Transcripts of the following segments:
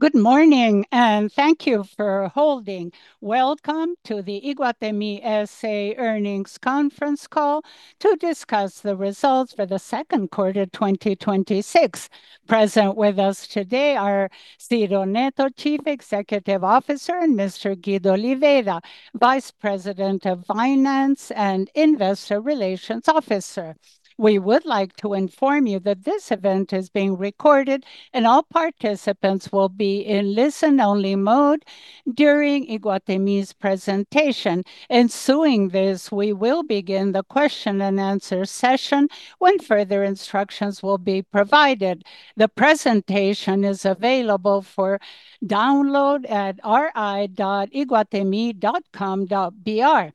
Good morning. Thank you for holding. Welcome to the Iguatemi S.A. earnings conference call to discuss the results for the second quarter 2026. Present with us today are Ciro Neto, Chief Executive Officer, and Mr. Guido Oliveira, Vice President of Finance and Investor Relations Officer. We would like to inform you that this event is being recorded, and all participants will be in listen-only mode during Iguatemi's presentation. Ensuing this, we will begin the question and answer session when further instructions will be provided. The presentation is available for download at ri.iguatemi.com.br.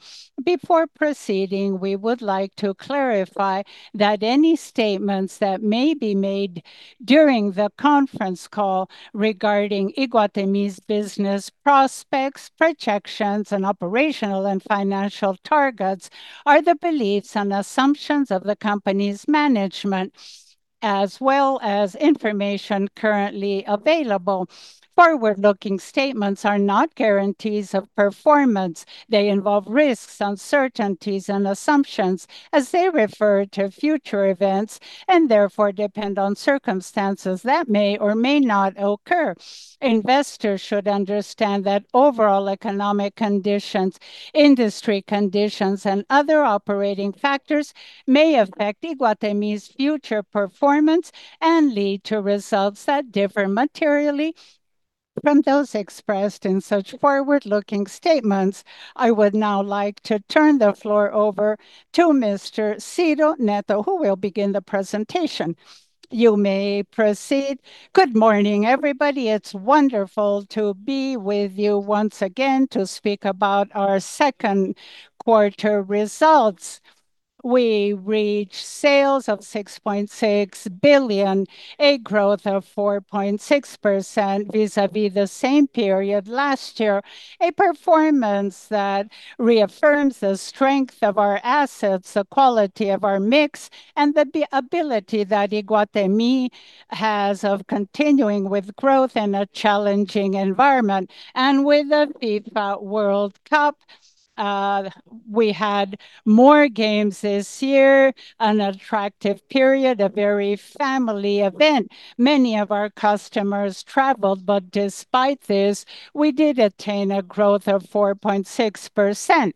Before proceeding, we would like to clarify that any statements that may be made during the conference call regarding Iguatemi's business prospects, projections, and operational and financial targets are the beliefs and assumptions of the company's management, as well as information currently available. Forward-looking statements are not guarantees of performance. They involve risks, uncertainties, and assumptions as they refer to future events and therefore depend on circumstances that may or may not occur. Investors should understand that overall economic conditions, industry conditions, and other operating factors may affect Iguatemi's future performance and lead to results that differ materially from those expressed in such forward-looking statements. I would now like to turn the floor over to Mr. Ciro Neto, who will begin the presentation. You may proceed. Good morning, everybody. It's wonderful to be with you once again to speak about our second quarter results. We reached sales of 6.6 billion, a growth of 4.6% vis-à-vis the same period last year, a performance that reaffirms the strength of our assets, the quality of our mix, and the ability that Iguatemi has of continuing with growth in a challenging environment. With the FIFA World Cup, we had more games this year, an attractive period, a very family event. Many of our customers traveled, but despite this, we did attain a growth of 4.6%.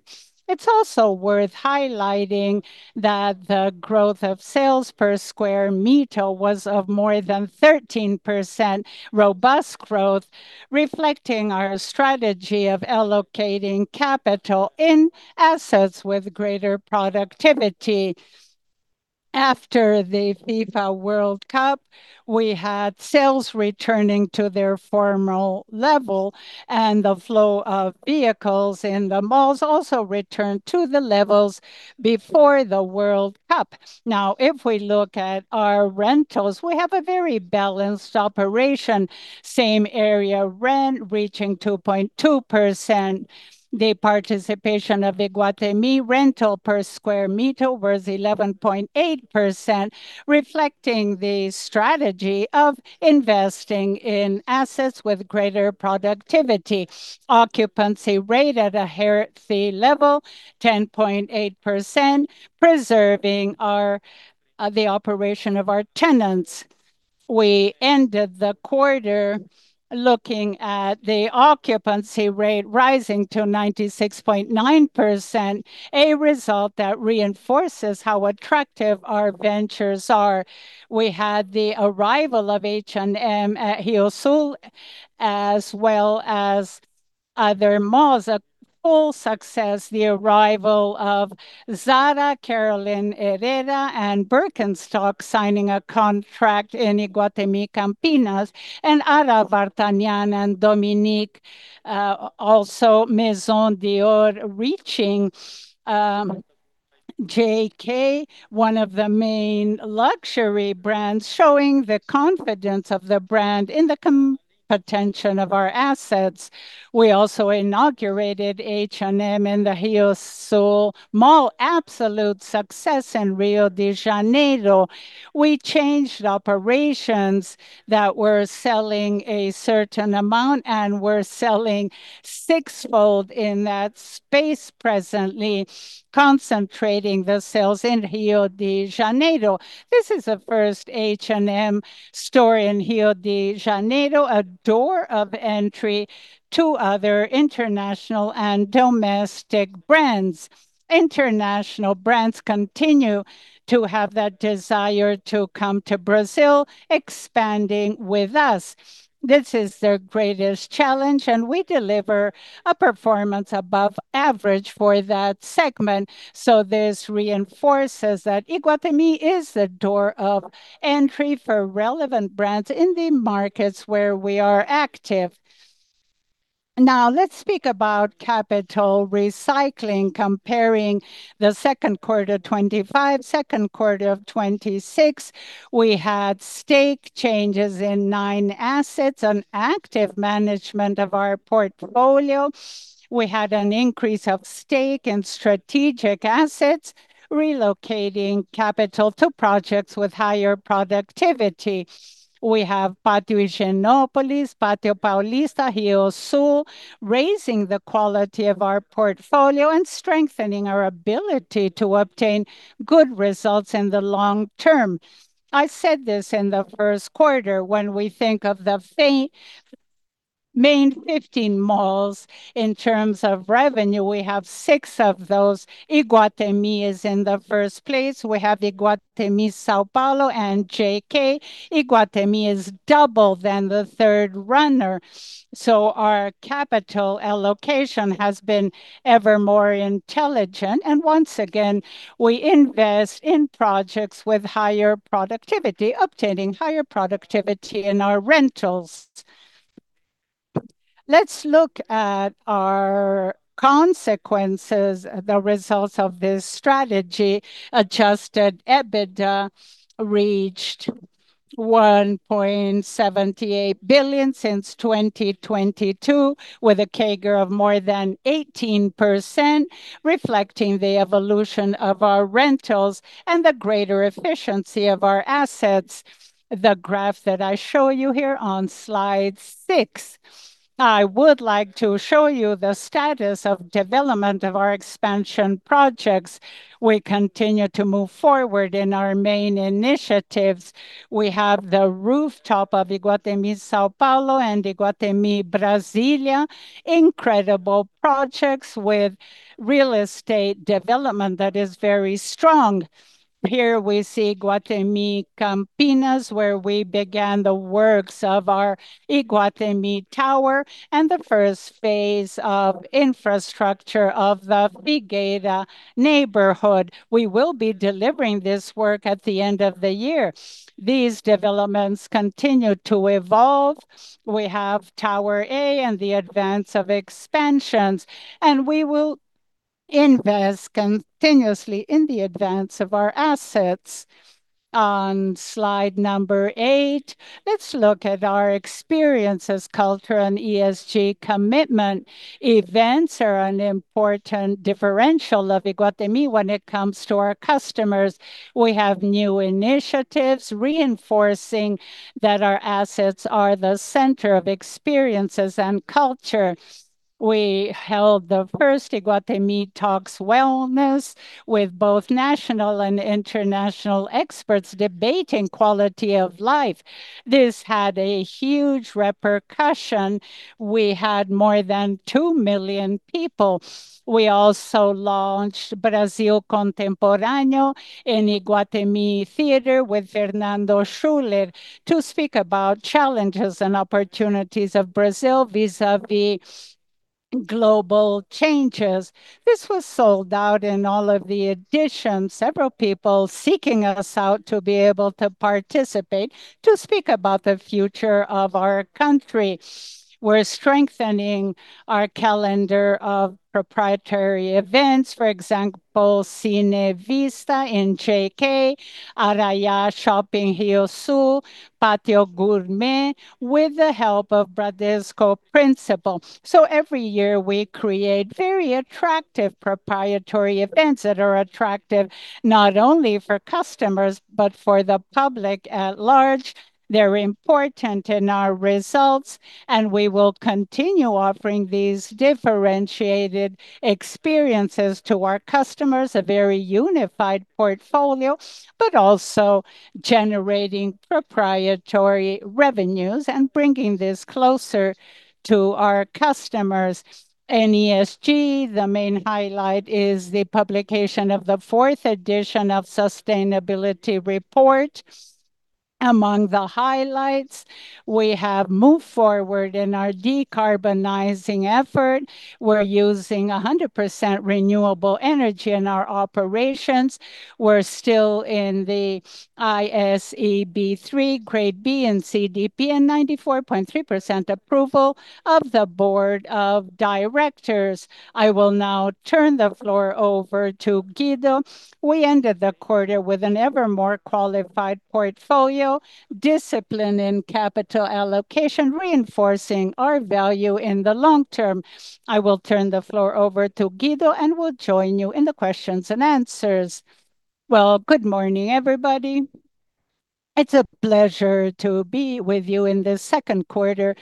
It's also worth highlighting that the growth of sales per square meter was of more than 13%, robust growth, reflecting our strategy of allocating capital in assets with greater productivity. After the FIFA World Cup, we had sales returning to their formal level, and the flow of vehicles in the malls also returned to the levels before the World Cup. Now, if we look at our rentals, we have a very balanced operation. Same-area rent reaching 2.2%. The participation of Iguatemi rental per square meter was 11.8%, reflecting the strategy of investing in assets with greater productivity. Occupancy rate at a healthy level, 10.8%, preserving the operation of our tenants. We ended the quarter looking at the occupancy rate rising to 96.9%, a result that reinforces how attractive our ventures are. We had the arrival of H&M at RioSul, as well as other malls, a full success. The arrival of Zara, Carolina Herrera, and Birkenstock signing a contract in Iguatemi Campinas, and Ara Vartanian, and Dominique, also Maison Dior reaching JK, one of the main luxury brands, showing the confidence of the brand in the competition of our assets. We also inaugurated H&M in the RioSul Mall, absolute success in Rio de Janeiro. We changed operations that were selling a certain amount and were selling sixfold in that space, presently concentrating the sales in Rio de Janeiro. This is the first H&M store in Rio de Janeiro, a door of entry to other international and domestic brands. International brands continue to have that desire to come to Brazil, expanding with us. This is their greatest challenge, and we deliver a performance above average for that segment. This reinforces that Iguatemi is the door of entry for relevant brands in the markets where we are active. Let's speak about capital recycling, comparing the second quarter 2025, second quarter of 2026. We had stake changes in nine assets, an active management of our portfolio. We had an increase of stake in strategic assets, relocating capital to projects with higher productivity. We have Pátio Higienópolis, Pátio Paulista, RIOSUL, raising the quality of our portfolio and strengthening our ability to obtain good results in the long term. I said this in the first quarter, when we think of the Main 15 malls in terms of revenue, we have six of those. Iguatemi is in the first place. We have Iguatemi São Paulo, and JK. Iguatemi is double than the third runner. Our capital allocation has been ever more intelligent. Once again, we invest in projects with higher productivity, obtaining higher productivity in our rentals. Let's look at our consequences, the results of this strategy. Adjusted EBITDA reached 1.78 billion since 2022, with a CAGR of more than 18%, reflecting the evolution of our rentals and the greater efficiency of our assets. The graph that I show you here on slide six. I would like to show you the status of development of our expansion projects. We continue to move forward in our main initiatives. We have the rooftop of Iguatemi São Paulo, and Iguatemi Brasília. Incredible projects with real estate development that is very strong. Here we see Iguatemi Campinas, where we began the works of our Iguatemi tower and the first phase of infrastructure of the Casa Figueira neighborhood. We will be delivering this work at the end of the year. These developments continue to evolve. We have Tower A and the advance of expansions, and we will invest continuously in the advance of our assets. On slide number eight, let's look at our experiences, culture, and ESG commitment. Events are an important differential of Iguatemi when it comes to our customers. We have new initiatives reinforcing that our assets are the center of experiences and culture. We held the first Iguatemi Talks Wellness with both national and international experts debating quality of life. This had a huge repercussion. We had more than 2 million people. We also launched Brasil Contemporâneo in Iguatemi Theater with Fernando Schuler to speak about challenges and opportunities of Brazil vis-à-vis global changes. This was sold out in all of the editions. Several people seeking us out to be able to participate to speak about the future of our country. We're strengthening our calendar of proprietary events. For example, Cine Vista in JK, Arraial Shopping Rio Sul, Pátio Gourmet, with the help of Bradesco Principal. Every year, we create very attractive proprietary events that are attractive not only for customers but for the public at large. They're important in our results, and we will continue offering these differentiated experiences to our customers, a very unified portfolio, but also generating proprietary revenues and bringing this closer to our customers. In ESG, the main highlight is the publication of the fourth edition of sustainability report. Among the highlights, we're moved forward in our decarbonizing effort. We're using 100% renewable energy in our operations. We're still in the ISE B3 Grade B in CDP and 94.3% approval of the Board of Directors. I will now turn the floor over to Guido. We ended the quarter with an ever more qualified portfolio, discipline in capital allocation, reinforcing our value in the long term. I will turn the floor over to Guido and will join you in the questions and answers. Well, good morning, everybody. It's a pleasure to be with you in the second quarter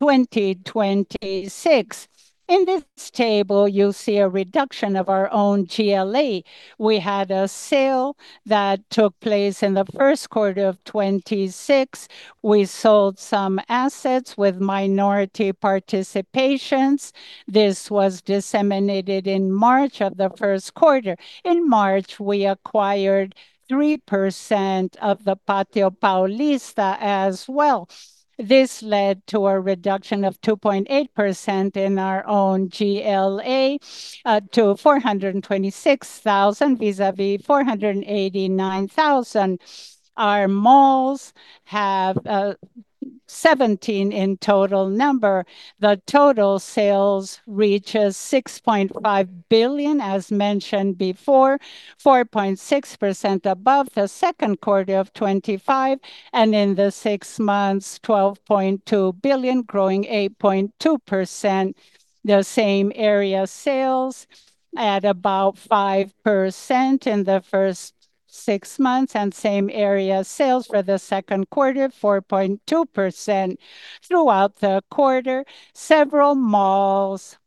2026. In this table, you'll see a reduction of our own GLA. We had a sale that took place in the first quarter of 2026. We sold some assets with minority participations. This was disseminated in March of the first quarter. In March, we acquired 3% of the Pátio Paulista as well. This led to a reduction of 2.8% in our own GLA, to 426,000 vis-à-vis 489,000. Our malls have 17 in total number. The total sales reaches 6.5 billion, as mentioned before, 4.6% above the second quarter of 2025, and in the first six months, 12.2 billion, growing 8.2%. The same-area sales at about 5% in the first six months, and same-area sales for the second quarter 4.2%. Throughout the quarter, several malls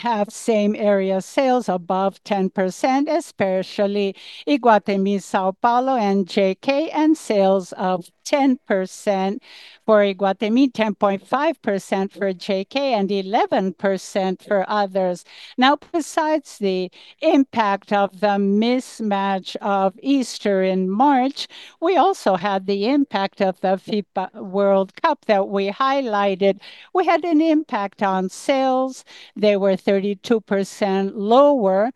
have same area sales above 10%, especially Iguatemi, São Paulo, and JK, and sales of 10% for Iguatemi, 10.5% for JK, and 11% for others. Besides the impact of the mismatch of Easter in March, we also had the impact of the FIFA World Cup that we highlighted. We had an impact on sales. They were 32% lower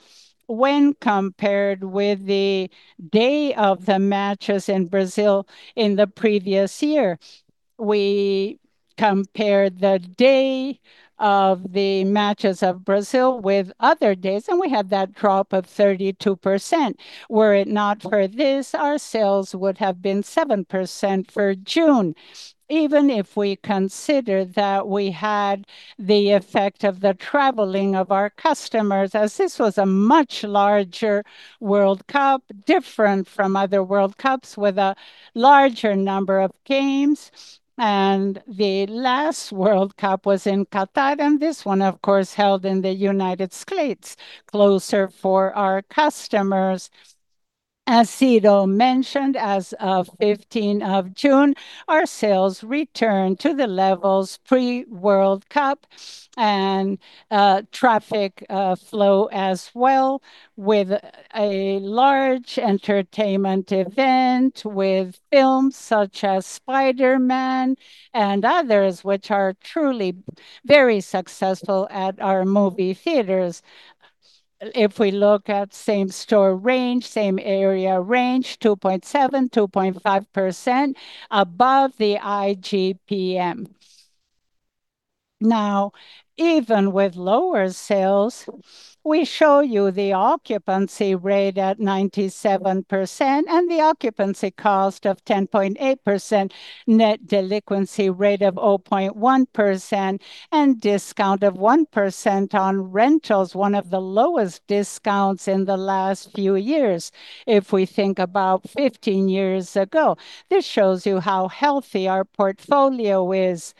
when compared with the day of the matches in Brazil in the previous year. We compared the day of the matches of Brazil with other days, and we had that drop of 32%. Were it not for this, our sales would have been 7% for June. Even if we consider that we had the effect of the traveling of our customers as this was a much larger World Cup, different from other World Cups, with a larger number of games. The last World Cup was in Qatar, and this one, of course, held in the U.S., closer for our customers. As Ciro mentioned, as of June 15th, our sales returned to the levels pre-World Cup and traffic flow as well, with a large entertainment event with films such as "Spider-Man" and others, which are truly very successful at our movie theaters. If we look at same-store range, same area range, 2.7%, 2.5% above the IGP-M. Even with lower sales, we show you the occupancy rate at 97% and the occupancy cost of 10.8%, net delinquency rate of 0.1%, and discount of 1% on rentals, one of the lowest discounts in the last few years if we think about 15 years ago. This shows you how healthy our portfolio is.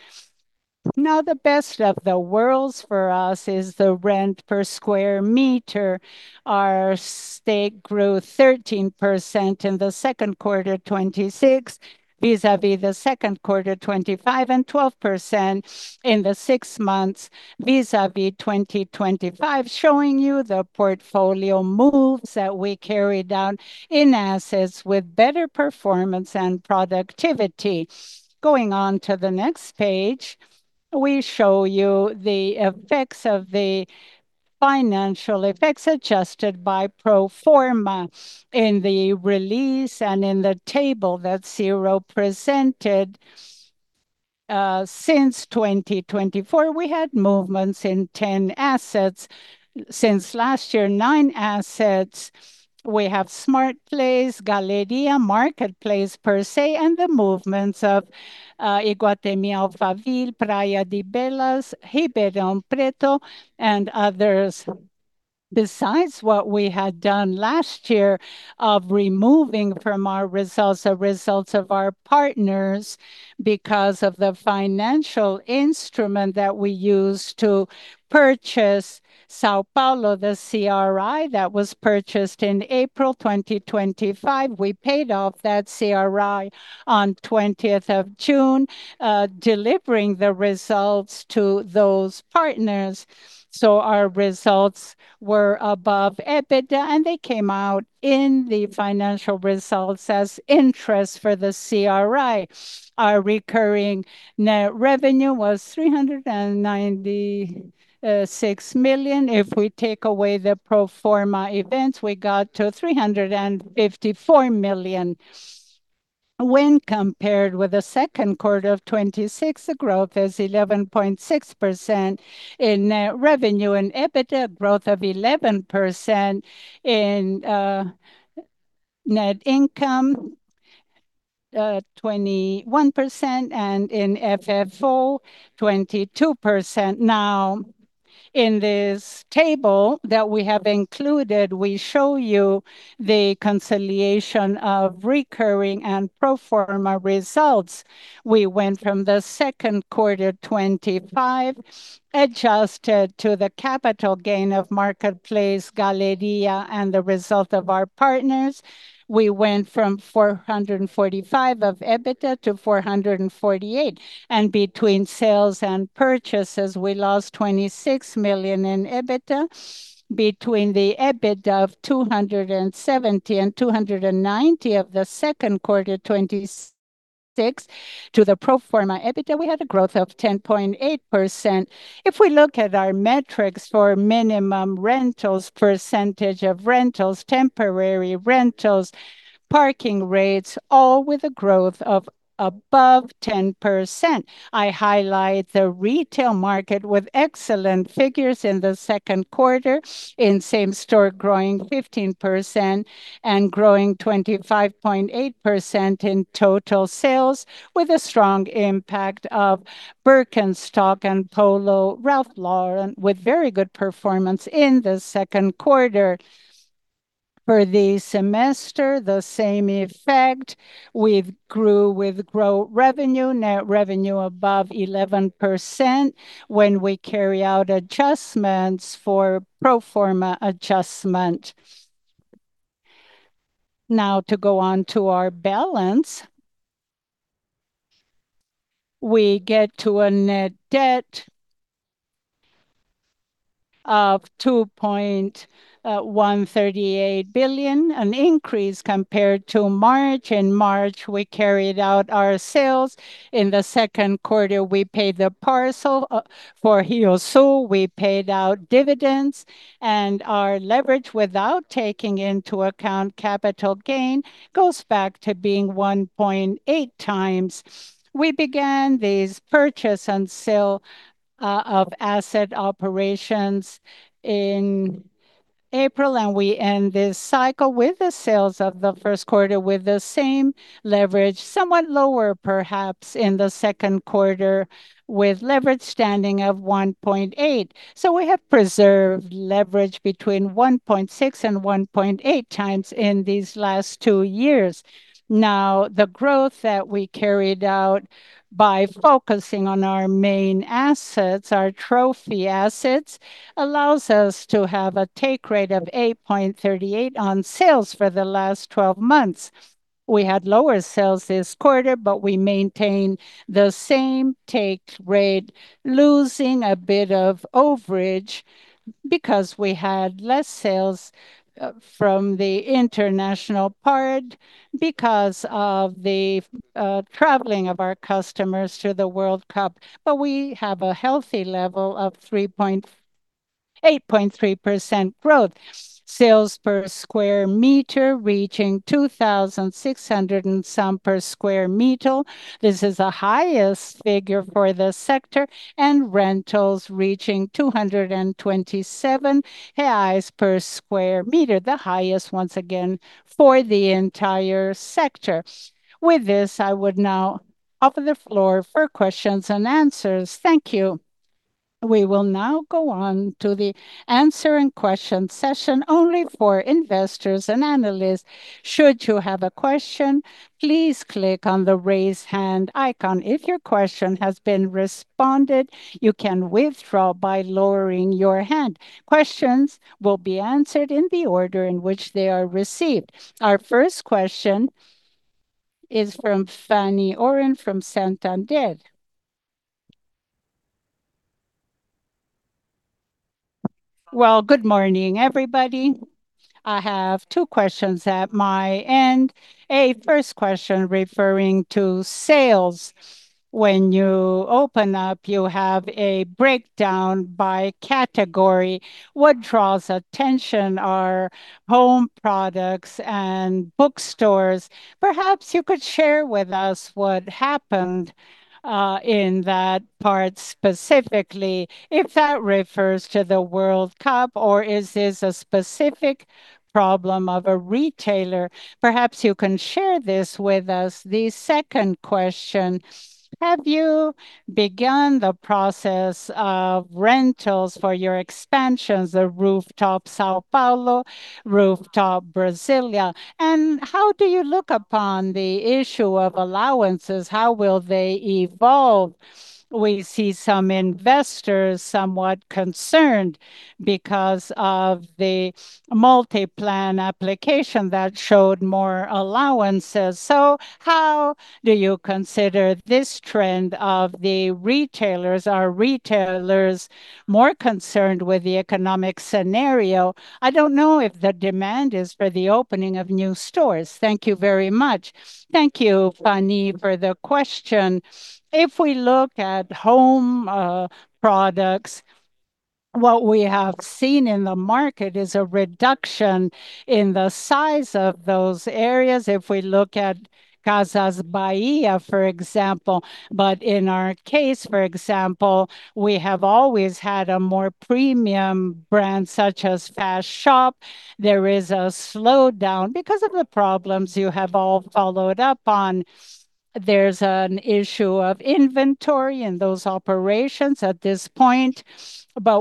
The best of the worlds for us is the rent per square meter. Our stake grew 13% in the second quarter 2026 vis-à-vis the second quarter 2025, and 12% in the six months vis-à-vis 2025, showing you the portfolio moves that we carried out in assets with better performance and productivity. Going on to the next page, we show you the effects of the financial effects adjusted by pro forma in the release and in the table that Ciro presented. Since 2024, we had movements in 10 assets. Since last year, nine assets. We have Galleria, Market Place per se, and the movements of Iguatemi Alphaville, Praia de Belas, Ribeirão Preto, and others. Besides what we had done last year of removing from our results the results of our partners because of the financial instrument that we used to purchase São Paulo, the CRI that was purchased in April 2025. We paid off that CRI on June 20th, delivering the results to those partners. Our results were above EBITDA, and they came out in the financial results as interest for the CRI. Our recurring net revenue was 396 million. If we take away the pro forma events, we got to 354 million. When compared with the second quarter of 2026, the growth is 11.6% in net revenue and EBITDA growth of 11%, in net income 21%, and in FFO 22%. In this table that we have included, we show you the conciliation of recurring and pro forma results. We went from the second quarter 2025, adjusted to the capital gain of Market Place Galleria and the result of our partners. We went from 445 of EBITDA to 448, and between sales and purchases, we lost 26 million in EBITDA. Between the EBITDA of 270 and 290 of the second quarter 2026 to the pro forma EBITDA, we had a growth of 10.8%. If we look at our metrics for minimum rentals, percentage of rentals, temporary rentals, parking rates, all with a growth of above 10%. I highlight the retail market with excellent figures in the second quarter in same-store growing 15% and growing 25.8% in total sales with a strong impact of Birkenstock and Polo Ralph Lauren with very good performance in the second quarter. For the semester, the same effect. We grew with gross revenue, net revenue above 11% when we carry out adjustments for pro forma adjustment. To go on to our balance. We get to a net debt of 2.138 billion, an increase compared to March. In March, we carried out our sales. In the second quarter, we paid the parcel for RIOSUL. We paid out dividends. Our leverage, without taking into account capital gain, goes back to being 1.8x. We began this purchase and sale of asset operations in April, and we end this cycle with the sales of the first quarter with the same leverage, somewhat lower, perhaps, in the second quarter, with leverage standing of 1.8x. We have preserved leverage between 1.6x and 1.8x in these last two years. The growth that we carried out by focusing on our main assets, our trophy assets, allows us to have a take rate of 8.38 on sales for the last 12 months. We had lower sales this quarter, but we maintained the same take rate, losing a bit of overage because we had less sales from the international part because of the traveling of our customers to the World Cup. We have a healthy level of 8.3% growth. Sales per squar meter reaching 2,600 and some per square meter. This is the highest figure for the sector. Rentals reaching 227 reais per square meter, the highest, once again, for the entire sector. With this, I would now open the floor for questions and answers. Thank you. We will now go on to the answer and question session only for investors and analysts. Should you have a question, please click on the raise hand icon. If your question has been responded, you can withdraw by lowering your hand. Questions will be answered in the order in which they are received. Our first question is from Fanny Oreng from Santander. Well, good morning, everybody. I have two questions at my end. A first question referring to sales. When you open up, you have a breakdown by category. What draws attention are home products and bookstores. Perhaps you could share with us what happened in that part specifically, if that refers to the World Cup, or is this a specific problem of a retailer? Perhaps you can share this with us. The second question, have you begun the process of rentals for your expansions of rooftop São Paulo, rooftop Brasília? How do you look upon the issue of allowances? How will they evolve? We see some investors somewhat concerned because of the Multiplan application that showed more allowances. How do you consider this trend of the retailers? Are retailers more concerned with the economic scenario? I don't know if the demand is for the opening of new stores. Thank you very much. Thank you, Fanny, for the question. If we look at home products, what we have seen in the market is a reduction in the size of those areas, if we look at Casas Bahia, for example. In our case, for example, we have always had a more premium brand such as Fast Shop. There is a slowdown because of the problems you have all followed up on. There's an issue of inventory in those operations at this point.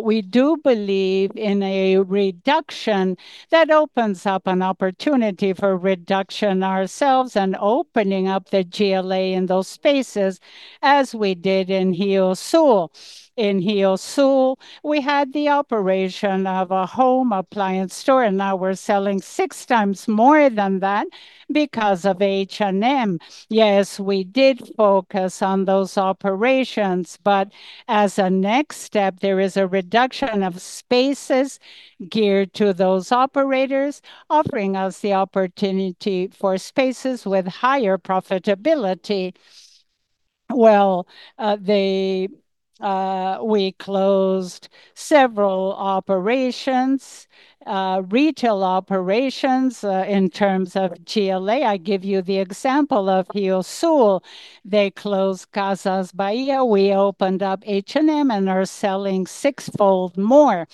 We do believe in a reduction that opens up an opportunity for reduction ourselves and opening up the GLA in those spaces as we did in Rio Sul. In Rio Sul, we had the operation of a home appliance store, and now we're selling six times more than that because of H&M. Yes, we did focus on those operations, but as a next step, there is a reduction of spaces geared to those operators, offering us the opportunity for spaces with higher profitability. Well, we closed several operations, retail operations, in terms of GLA. I give you the example of Rio Sul. They closed Casas Bahia. We opened up H&M and are selling sixfold more.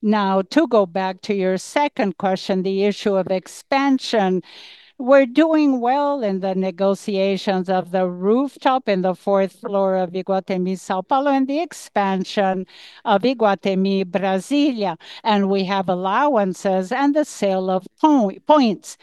Now, to go back to your second question, the issue of expansion. We're doing well in the negotiations of the rooftop in the fourth floor of Iguatemi São Paulo and the expansion of Iguatemi Brasília. We have allowances and the sale of points.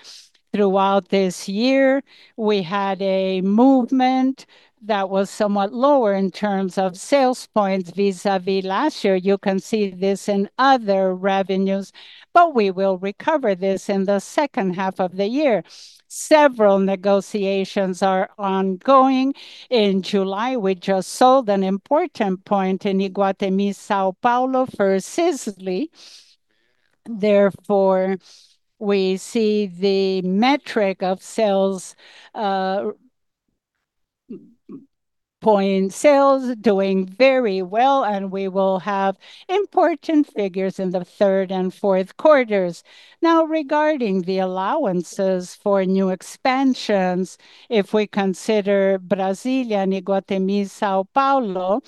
Throughout this year, we had a movement that was somewhat lower in terms of sales points vis-a-vis last year. You can see this in other revenues, but we will recover this in the second half of the year. Several negotiations are ongoing. In July, we just sold an important point in Iguatemi, São Paulo for Sisley. We see the metric of point sales doing very well, and we will have important figures in the third and fourth quarters. Regarding the allowances for new expansions, if we consider Brasília, Iguatemi, São Paulo,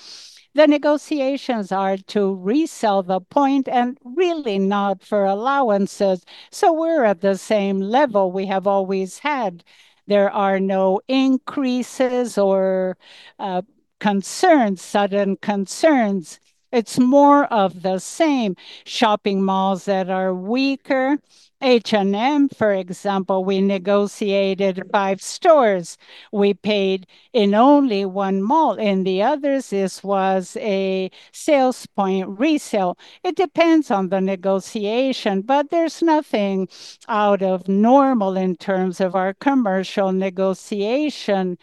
the negotiations are to resell the point and really not for allowances. We're at the same level we have always had. There are no increases or sudden concerns. It's more of the same. Shopping malls that are weaker, H&M, for example, we negotiated five stores. We paid in only one mall. In the others, this was a sales point resale. It depends on the negotiation, but there's nothing out of normal in terms of our commercial negotiation.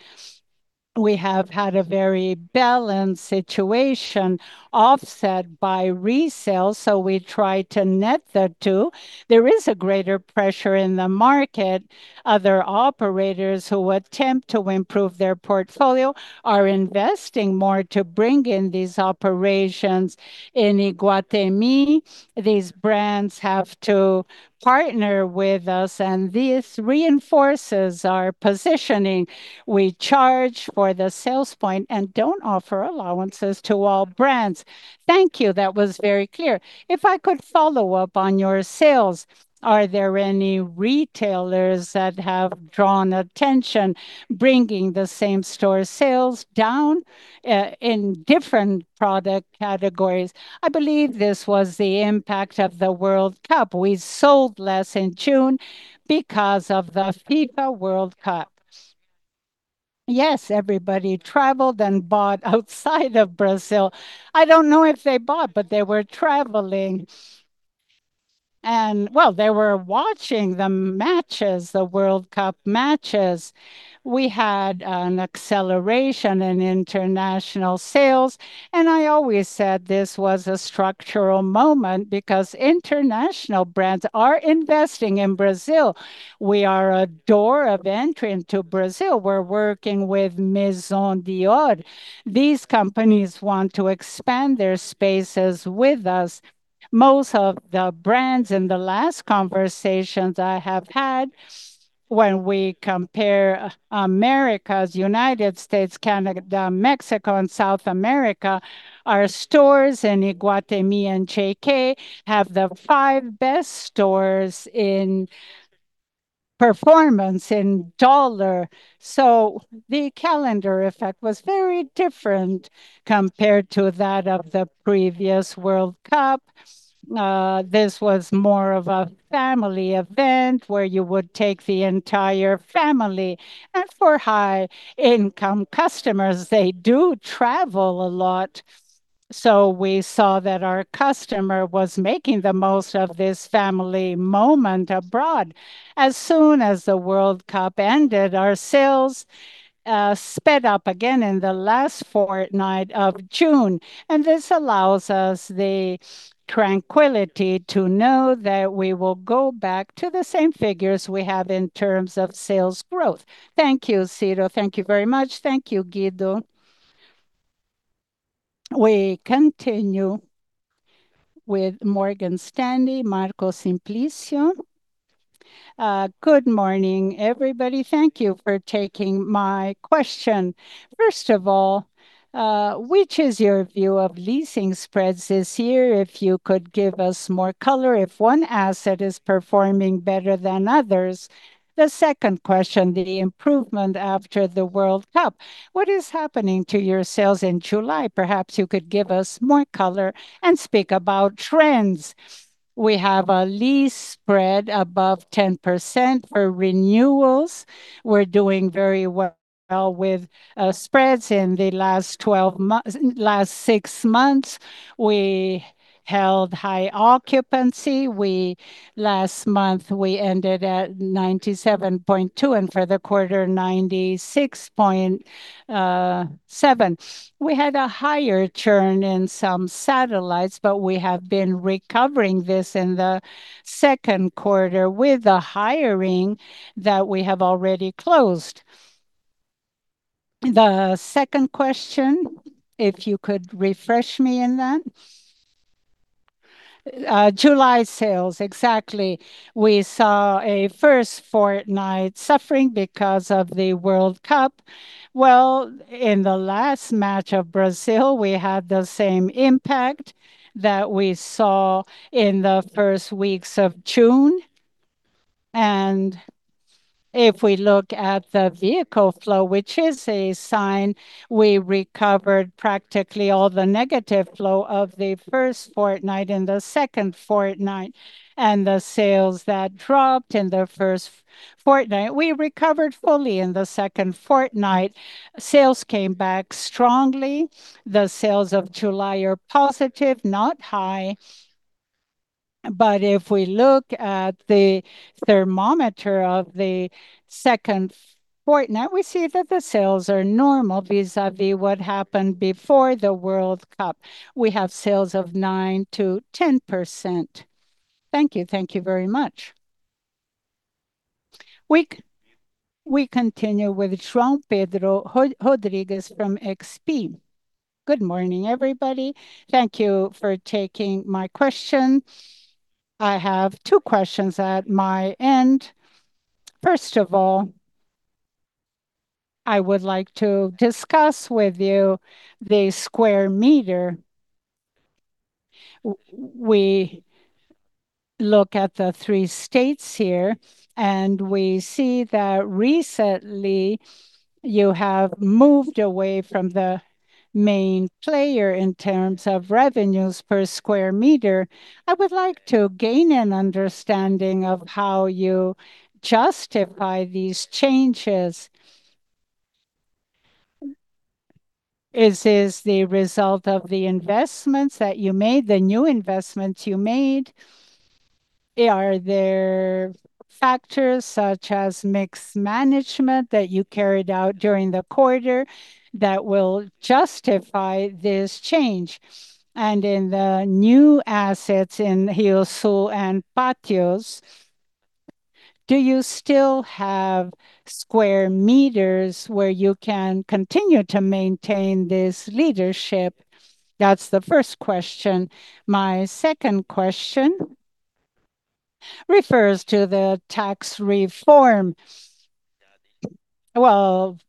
We have had a very balanced situation, offset by resale, we try to net the two. There is a greater pressure in the market. Other operators who attempt to improve their portfolio are investing more to bring in these operations. In Iguatemi, these brands have to partner with us, and this reinforces our positioning. We charge for the sales point and don't offer allowances to all brands. Thank you. That was very clear. If I could follow up on your sales, are there any retailers that have drawn attention, bringing the same-store sales down, in different product categories? I believe this was the impact of the World Cup. We sold less in June because of the FIFA World Cup. Yes, everybody traveled and bought outside of Brazil. I don't know if they bought, but they were traveling. They were watching the World Cup matches. We had an acceleration in international sales, I always said this was a structural moment because international brands are investing in Brazil. We are a door of entry into Brazil. We're working with Dior. These companies want to expand their spaces with us. Most of the brands in the last conversations I have had, when we compare Americas, United States, Canada, Mexico, and South America, our stores in Iguatemi and JK have the five best stores in performance in USD. The calendar effect was very different compared to that of the previous World Cup. This was more of a family event, where you would take the entire family. For high-income customers, they do travel a lot. We saw that our customer was making the most of this family moment abroad. As soon as the World Cup ended, our sales sped up again in the last fortnight of June. This allows us the tranquility to know that we will go back to the same figures we have in terms of sales growth. Thank you, Ciro. Thank you very much. Thank you, Guido. We continue with Morgan Stanley, Mario Simplicio. Good morning, everybody. Thank you for taking my question. First of all, which is your view of leasing spreads this year? If you could give us more color if one asset is performing better than others. The second question, the improvement after the World Cup. What is happening to your sales in July? Perhaps you could give us more color and speak about trends. We have a lease spread above 10% for renewals. We're doing very well with spreads. In the last six months, we held high occupancy. Last month, we ended at 97.2, and for the quarter, 96.7. We had a higher churn in some satellites, but we have been recovering this in the second quarter with the hiring that we have already closed. The second question, if you could refresh me on that. July sales. Exactly.We saw a first fortnight suffering because of the World Cup. Well, in the last match of Brazil, we had the same impact that we saw in the first weeks of June. If we look at the vehicle flow, which is a sign, we recovered practically all the negative flow of the first fortnight in the second fortnight. The sales that dropped in the first fortnight, we recovered fully in the second fortnight. Sales came back strongly. The sales of July are positive, not high. If we look at the thermometer of the second fortnight, we see that the sales are normal vis-a-vis what happened before the World Cup. We have sales of 9%-10%. Thank you. Thank you very much. We continue with João Pedro Rodrigues from XP. Good morning, everybody. Thank you for taking my question. I have two questions at my end. First of all, I would like to discuss with you the square meter. We look at the three states here, and we see that recently you have moved away from the main player in terms of revenues per square meter. I would like to gain an understanding of how you justify these changes. Is this the result of the new investments you made? Are there factors such as mixed management that you carried out during the quarter that will justify this change? In the new assets in RioSul and Pátios, do you still have square meters where you can continue to maintain this leadership? That's the first question. My second question refers to the tax reform. Well,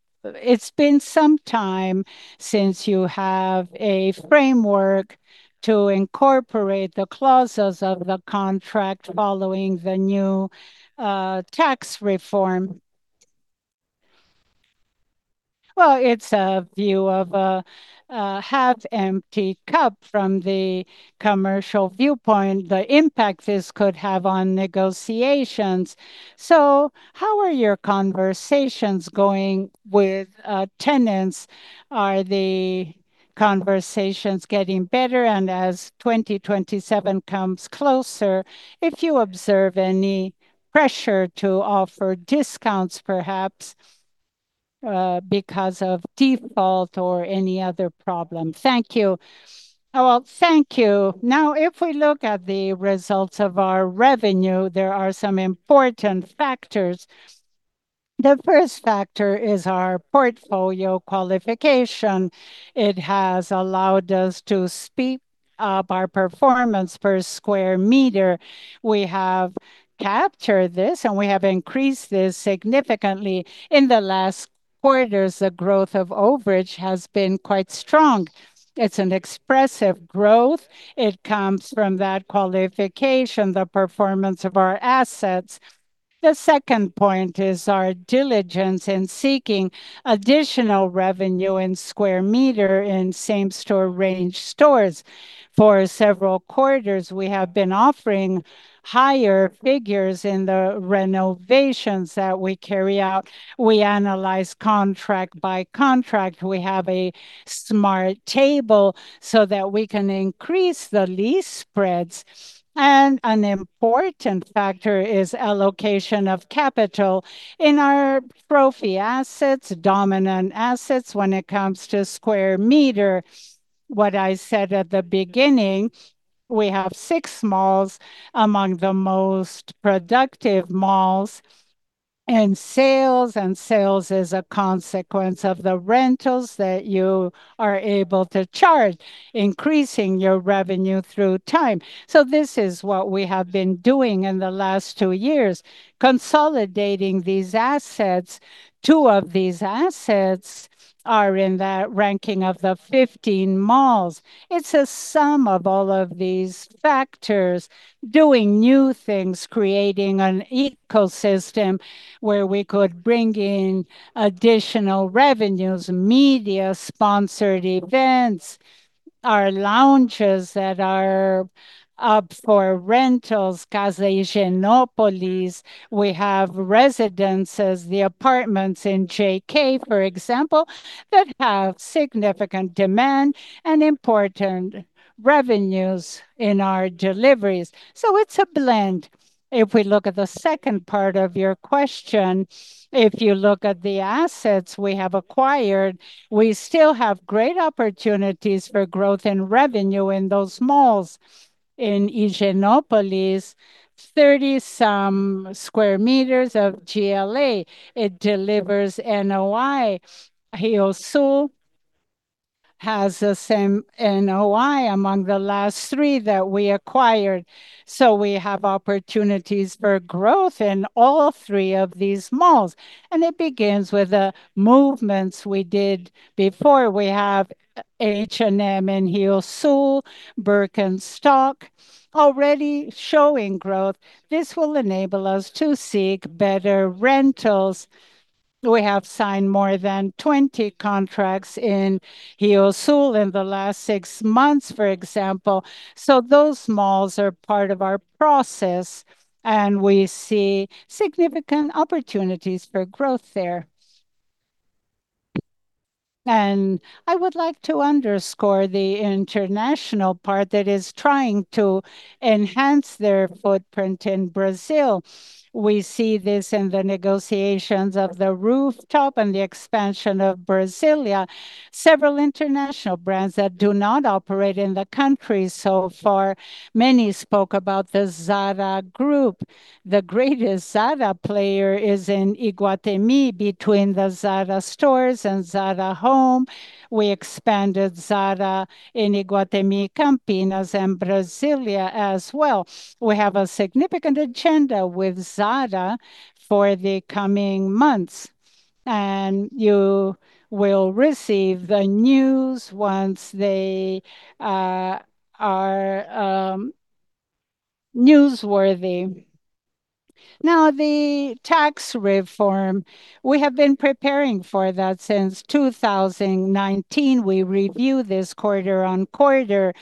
it's been some time since you have a framework to incorporate the clauses of the contract following the new tax reform. Well, it's a view of a half-empty cup from the commercial viewpoint, the impact this could have on negotiations. How are your conversations going with tenants? Are the conversations getting better, and as 2027 comes closer, if you observe any pressure to offer discounts, perhaps, because of default or any other problem. Thank you. Well, thank you. Now, if we look at the results of our revenue, there are some important factors. The first factor is our portfolio qualification. It has allowed us to speed up our performance per square meter. We have captured this, and we have increased this significantly. In the last quarters, the growth of overage has been quite strong. It's an expressive growth. It comes from that qualification, the performance of our assets. The second point is our diligence in seeking additional revenue in square meter in same-store range stores. For several quarters, we have been offering higher figures in the renovations that we carry out. We analyze contract by contract. We have a smart table so that we can increase the lease spreads. An important factor is allocation of capital in our trophy assets, dominant assets, when it comes to square meter. What I said at the beginning, we have six malls among the most productive malls in sales, and sales is a consequence of the rentals that you are able to charge, increasing your revenue through time. This is what we have been doing in the last two years, consolidating these assets. Two of these assets are in the ranking of the 15 malls. It is a sum of all of these factors, doing new things, creating an ecosystem where we could bring in additional revenues, media, sponsored events, our lounges that are up for rentals, Casa Higienópolis. We have residences, the apartments in JK, for example, that have significant demand and important revenues in our deliveries. It is a blend. If we look at the second part of your question, if you look at the assets we have acquired, we still have great opportunities for growth and revenue in those malls. In Higienópolis, 30 some sq meters of GLA. It delivers NOI. RioSul has the same NOI among the last three that we acquired. We have opportunities for growth in all three of these malls, and it begins with the movements we did before. We have H&M in RioSul, Birkenstock already showing growth. This will enable us to seek better rentals. We have signed more than 20 contracts in RioSul in the last six months, for example. Those malls are part of our process, and we see significant opportunities for growth there. I would like to underscore the international part that is trying to enhance their footprint in Brazil. We see this in the negotiations of the rooftop and the expansion of Brasilia. Several international brands that do not operate in the country so far. Many spoke about the Zara Group. The greatest Zara player is in Iguatemi, between the Zara stores and Zara Home. We expanded Zara in Iguatemi, Campinas, and Brasilia as well. We have a significant agenda with Zara for the coming months, and you will receive the news once they are newsworthy. The tax reform, we have been preparing for that since 2019. We review this quarter-on-quarter.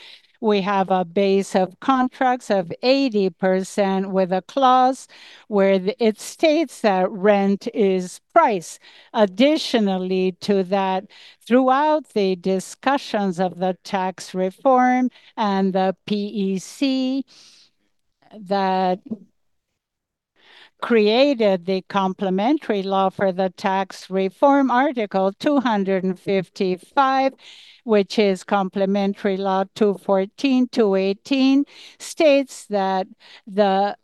We have a base of contracts of 80% with a clause where it states that rent is price. Additionally to that, throughout the discussions of the tax reform and the PEC that created the Complementary Law for the tax reform, Article 255, which is Complementary Law No. 214/2025, states that the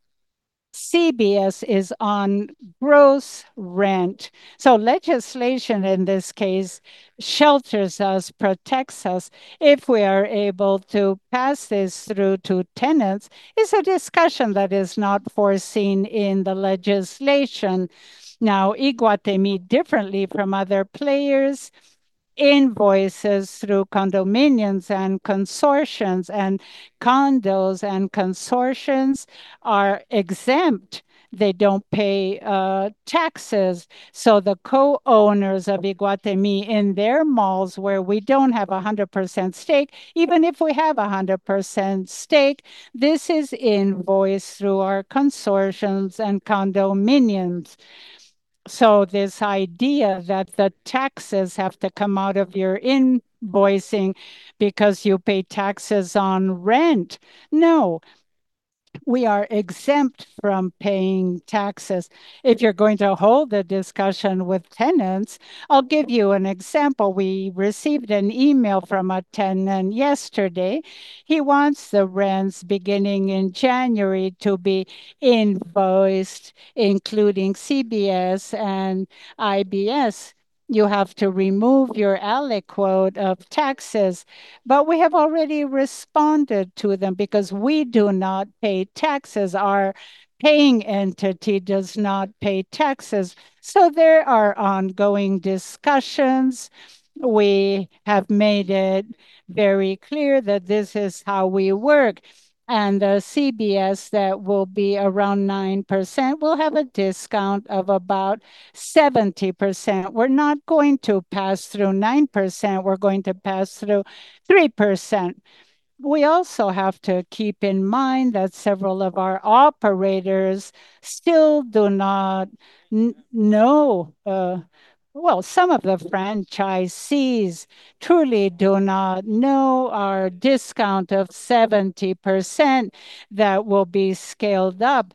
CBS is on gross rent. Legislation, in this case, shelters us, protects us. If we are able to pass this through to tenants, it is a discussion that is not foreseen in the legislation. Iguatemi, differently from other players, invoices through condominiums and consortiums, and condos and consortiums are exempt. They do not pay taxes. The co-owners of Iguatemi in their malls where we do not have 100% stake, even if we have 100% stake, this is invoiced through our consortiums and condominiums. This idea that the taxes have to come out of your invoicing because you pay taxes on rent, no. We are exempt from paying taxes. If you are going to hold the discussion with tenants, I will give you an example. We received an email from a tenant yesterday. He wants the rents beginning in January to be invoiced, including CBS and IBS. You have to remove your aliquot of taxes. We have already responded to them because we do not pay taxes. Our paying entity does not pay taxes. There are ongoing discussions. We have made it very clear that this is how we work. The CBS, that will be around 9%, will have a discount of about 70%. We're not going to pass through 9%, we're going to pass through 3%. We also have to keep in mind that several of our operators still do not know. Well, some of the franchisees truly do not know our discount of 70% that will be scaled up,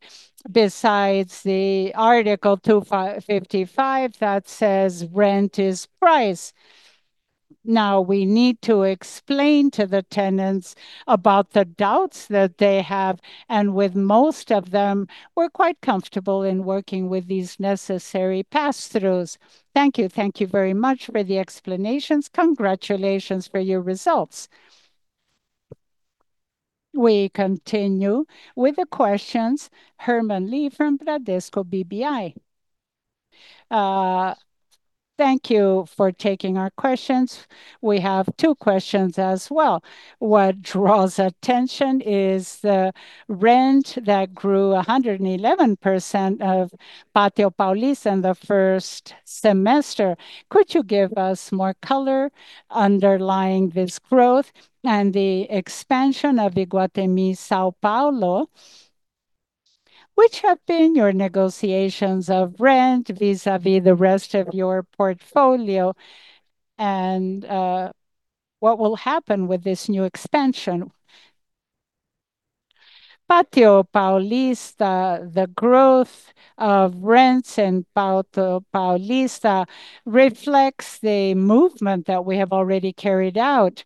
besides the Article 255 that says rent is price. Now, we need to explain to the tenants about the doubts that they have, and with most of them, we're quite comfortable in working with these necessary pass-throughs. Thank you. Thank you very much for the explanations. Congratulations for your results. We continue with the questions. Herman Lee from Bradesco BBI. Thank you for taking our questions. We have two questions as well. What draws attention is the rent that grew 111% of Pátio Paulista in the first semester. Could you give us more color underlying this growth and the expansion of Iguatemi São Paulo? What have been your negotiations of rent vis-à-vis the rest of your portfolio, and what will happen with this new expansion? Pátio Paulista, the growth of rents in Pátio Paulista reflects the movement that we have already carried out.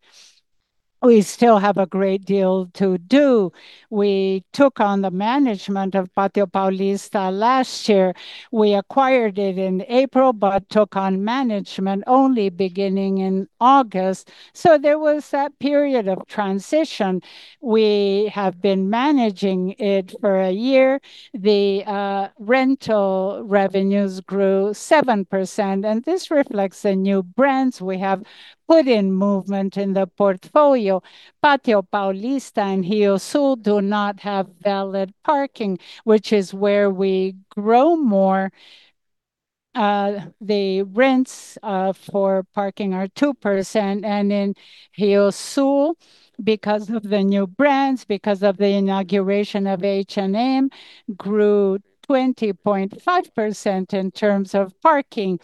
We still have a great deal to do. We took on the management of Pátio Paulista last year. We acquired it in April but took on management only beginning in August, so there was that period of transition. We have been managing it for a year. The rental revenues grew 7%, and this reflects the new brands we have put in movement in the portfolio. Pátio Paulista and RIOSUL do not have valid parking, which is where we grow more. The rents for parking are 2%, and in RIOSUL, because of the new brands, because of the inauguration of H&M, grew 20.5% in terms of parking.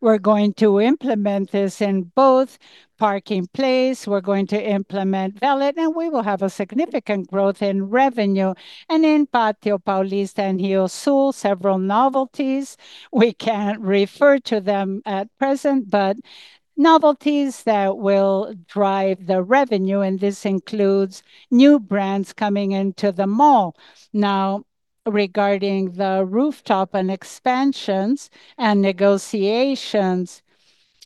We're going to implement this in both parking places. We're going to implement valet, and we will have a significant growth in revenue. And in Pátio Paulista and RIOSUL, several novelties. We can't refer to them at present, but novelties that will drive the revenue, and this includes new brands coming into the mall. Now, regarding the rooftop and expansions and negotiations,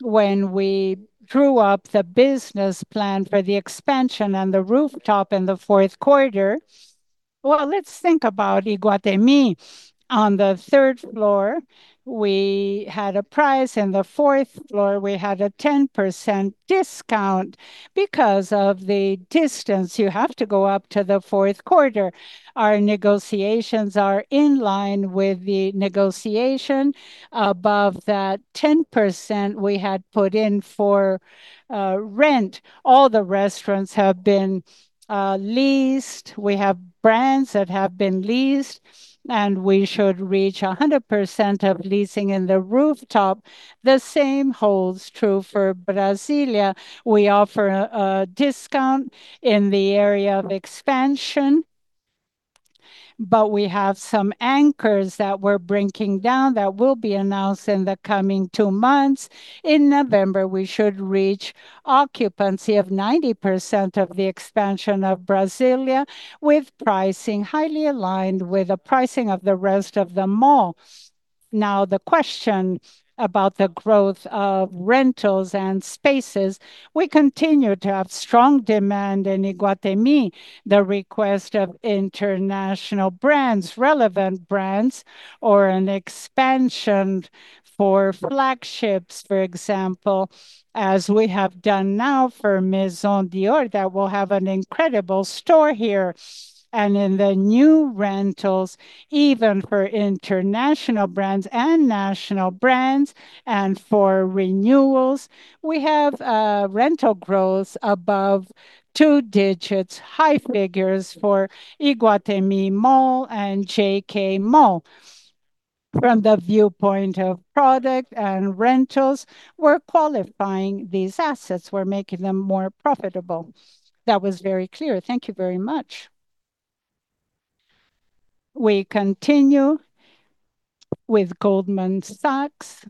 when we drew up the business plan for the expansion and the rooftop in the fourth quarter. Well, let's think about Iguatemi. On the third floor, we had a price, and the fourth floor, we had a 10% discount because of the distance. You have to go up to the fourth quarter. Our negotiations are in line with the negotiation above that 10% we had put in for rent. All the restaurants have been leased. We have brands that have been leased, and we should reach 100% of leasing in the rooftop. The same holds true for Brasília. We offer a discount in the area of expansion, but we have some anchors that we're bringing down that will be announced in the coming two months. In November, we should reach occupancy of 90% of the expansion of Brasília with pricing highly aligned with the pricing of the rest of the mall. Now, the question about the growth of rentals and spaces, we continue to have strong demand in Iguatemi. The request of international brands, relevant brands, or an expansion for flagships, for example, as we have done now for Maison Dior, that will have an incredible store here. In the new rentals, even for international brands and national brands, and for renewals, we have rental growth above two digits, high figures for Iguatemi Mall and JK Iguatemi. From the viewpoint of product and rentals, we're qualifying these assets. We're making them more profitable. That was very clear. Thank you very much. We continue with Goldman Sachs.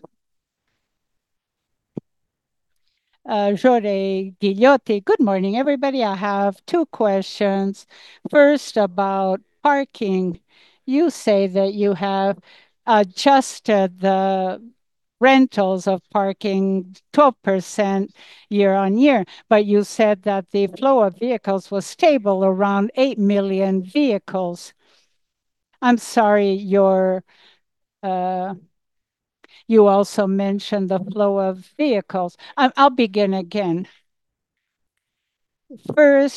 Jorel Guilloty. Good morning, everybody. I have two questions. First, about parking. You say that you have adjusted the rentals of parking 12% year-over-year, but you said that the flow of vehicles was stable around 8 million vehicles. First,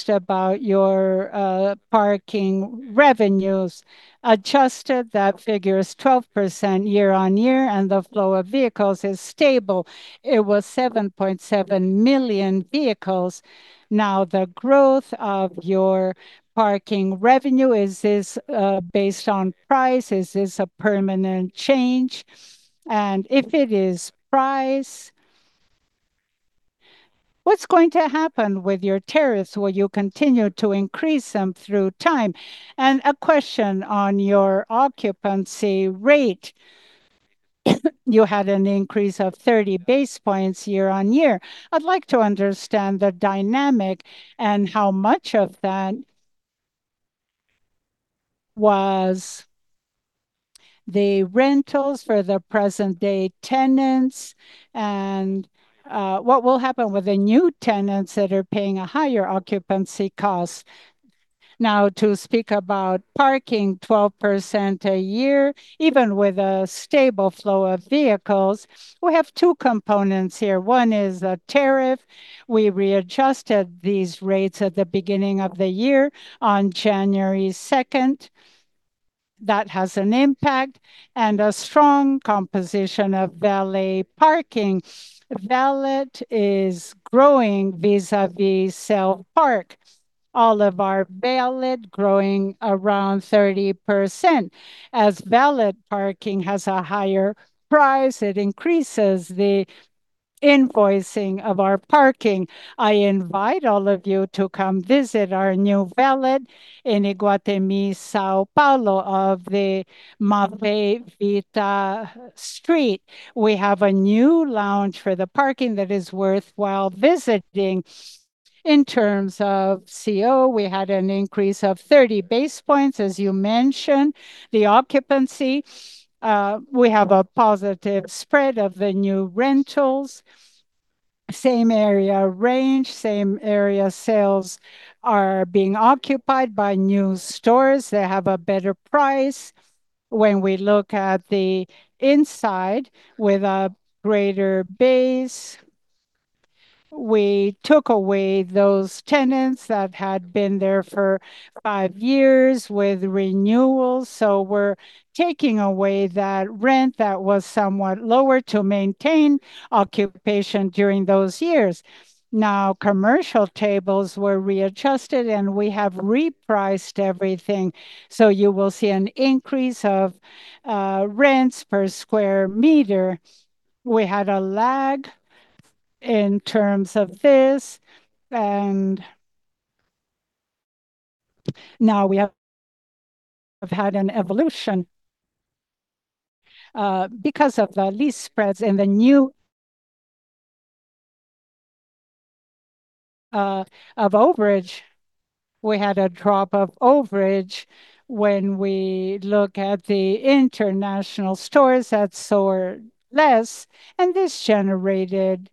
about your parking revenues. Adjusted, that figure is 12% year-over-year, and the flow of vehicles is stable. It was 7.7 million vehicles. Now, the growth of your parking revenue, is this based on price? Is this a permanent change? If it is price, what's going to happen with your tariffs? Will you continue to increase them through time? A question on your occupancy rate. You had an increase of 30 basis points year-over-year. I'd like to understand the dynamic and how much of that was the rentals for the present-day tenants, and what will happen with the new tenants that are paying a higher occupancy cost. To speak about parking 12% a year, even with a stable flow of vehicles, we have two components here. One is the tariff. We readjusted these rates at the beginning of the year on January 2nd. That has an impact and a strong composition of valet parking. Valet is growing vis-à-vis self-park. All of our valet growing around 30%. As valet parking has a higher price, it increases the invoicing of our parking. I invite all of you to come visit our new valet in Iguatemi, São Paulo, off the Maffei Vita Street. We have a new lounge for the parking that is worthwhile visiting. In terms of occupancy, we had an increase of 30 basis points, as you mentioned. The occupancy, we have a positive spread of the new rentals. Same area range, same area sales are being occupied by new stores that have a better price. When we look at the inside with a greater base, we took away those tenants that had been there for five years with renewals. We're taking away that rent that was somewhat lower to maintain occupation during those years. Commercial tables were readjusted, and we have repriced everything. You will see an increase of rents per square meter. We had a lag in terms of this. Now we have had an evolution. Because of the lease spreads and the new overage, we had a drop of overage when we look at the international stores that saw less, and this generated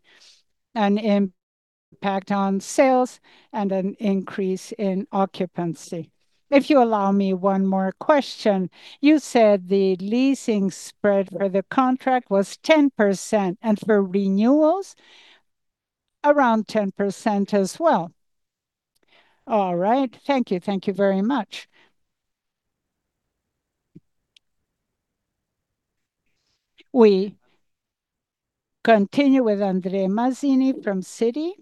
an impact on sales and an increase in occupancy. If you allow me one more question. You said the leasing spread for the contract was 10%, and for renewals? around 10% as well. All right. Thank you. Thank you very much. We continue with Andre Mazini from Citi.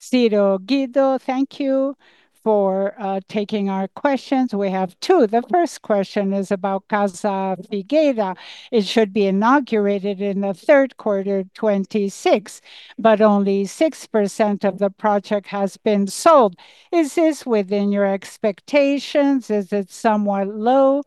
Ciro, Guido, thank you for taking our questions. We have two. The first question is about Casa Figueira. It should be inaugurated in the third quarter 2026, but only 6% of the project has been sold. Is this within your expectations? Is it somewhat low,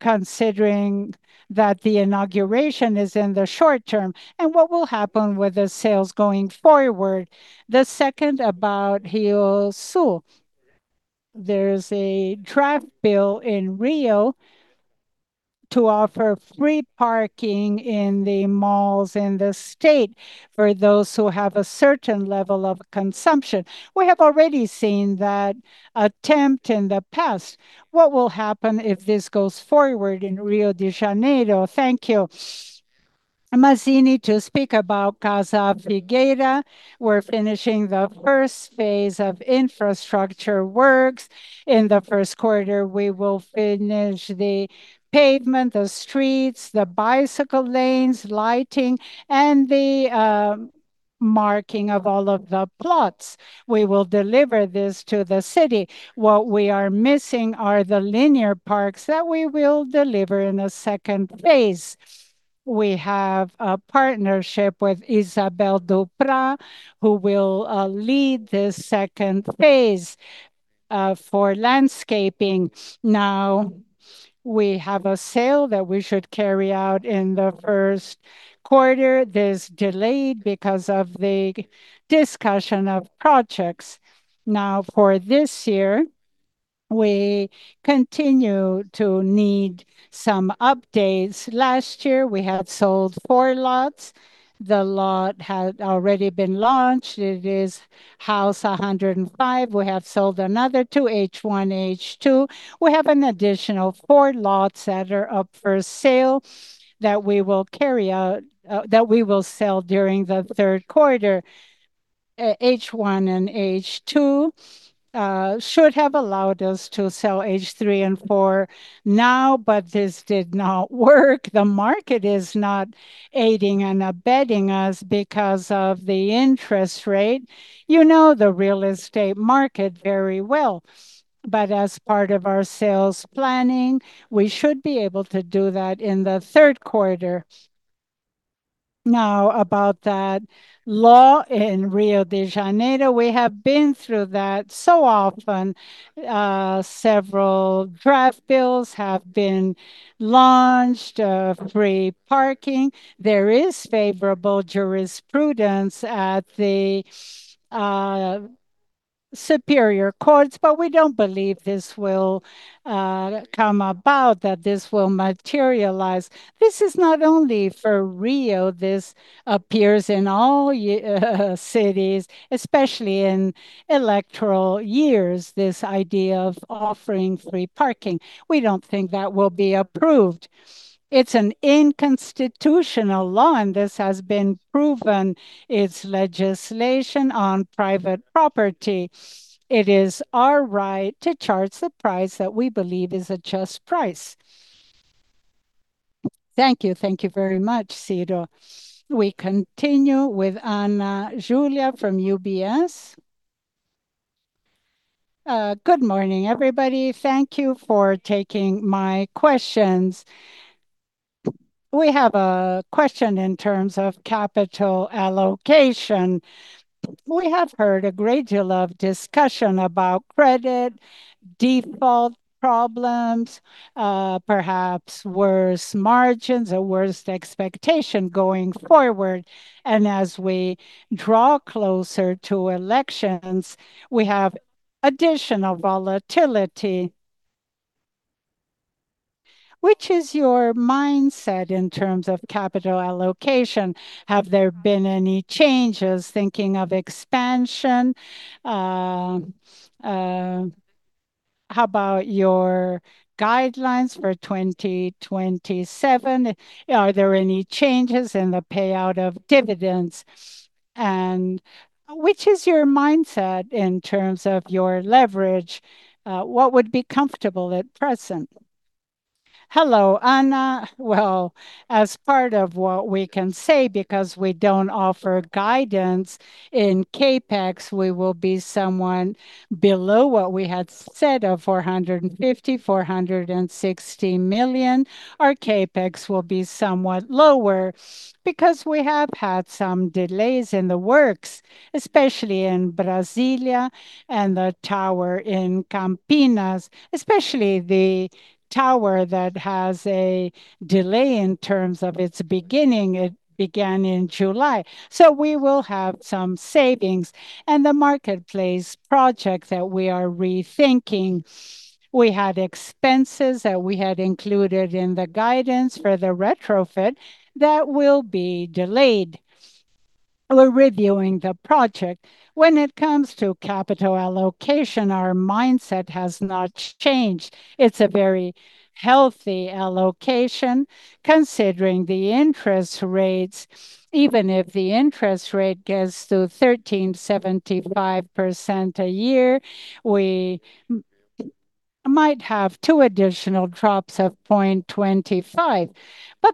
considering that the inauguration is in the short term? What will happen with the sales going forward? The second about RIOSUL Mall. There is a draft bill in Rio to offer free parking in the malls in the state for those who have a certain level of consumption. We have already seen that attempt in the past. What will happen if this goes forward in Rio de Janeiro? Thank you. Mazini to speak about Casa Figueira. We are finishing the first phase of infrastructure works. In the first quarter, we will finish the pavement, the streets, the bicycle lanes, lighting, and the marking of all of the plots. We will deliver this to the city. What we are missing are the linear parks that we will deliver in a second phase. We have a partnership with Isabel Duprat, who will lead this second phase for landscaping. We have a sale that we should carry out in the first quarter. This delayed because of the discussion of projects. For this year, we continue to need some updates. Last year, we had sold four lots. The lot had already been launched. It is house 105. We have sold another two, H1, H2. We have an additional four lots that are up for sale that we will sell during the third quarter. H1 and H2 should have allowed us to sell H3 and 4 now, but this did not work. The market is not aiding and abetting us because of the interest rate. You know the real estate market very well. As part of our sales planning, we should be able to do that in the third quarter. About that law in Rio de Janeiro, we have been through that so often. Several draft bills have been launched of free parking. There is favorable jurisprudence at the superior courts, but we do not believe this will come about, that this will materialize. This is not only for Rio. This appears in all cities, especially in electoral years, this idea of offering free parking. We do not think that will be approved. It is an unconstitutional law, and this has been proven. It is legislation on private property. It is our right to charge the price that we believe is a just price. Thank you. Thank you very much, Ciro. We continue with Ana Júlia from UBS. Good morning, everybody. Thank you for taking my questions. We have a question in terms of capital allocation. We have heard a great deal of discussion about credit, default problems, perhaps worse margins or worse expectation going forward. As we draw closer to elections, we have additional volatility. What is your mindset in terms of capital allocation? Have there been any changes thinking of expansion? How about your guidelines for 2027? Are there any changes in the payout of dividends, and what is your mindset in terms of your leverage? What would be comfortable at present? Hello, Ana. As part of what we can say, because we do not offer guidance in CapEx, we will be somewhat below what we had said of 450 million, 460 million. Our CapEx will be somewhat lower because we have had some delays in the works, especially in Brasília and the tower in Campinas, especially the tower that has a delay in terms of its beginning. It began in July. We will have some savings. The Market Place project that we are rethinking, we had expenses that we had included in the guidance for the retrofit that will be delayed. We are reviewing the project. When it comes to capital allocation, our mindset has not changed. It's a very healthy allocation considering the interest rates. Even if the interest rate gets to 13.75% a year, we might have two additional drops of 0.25.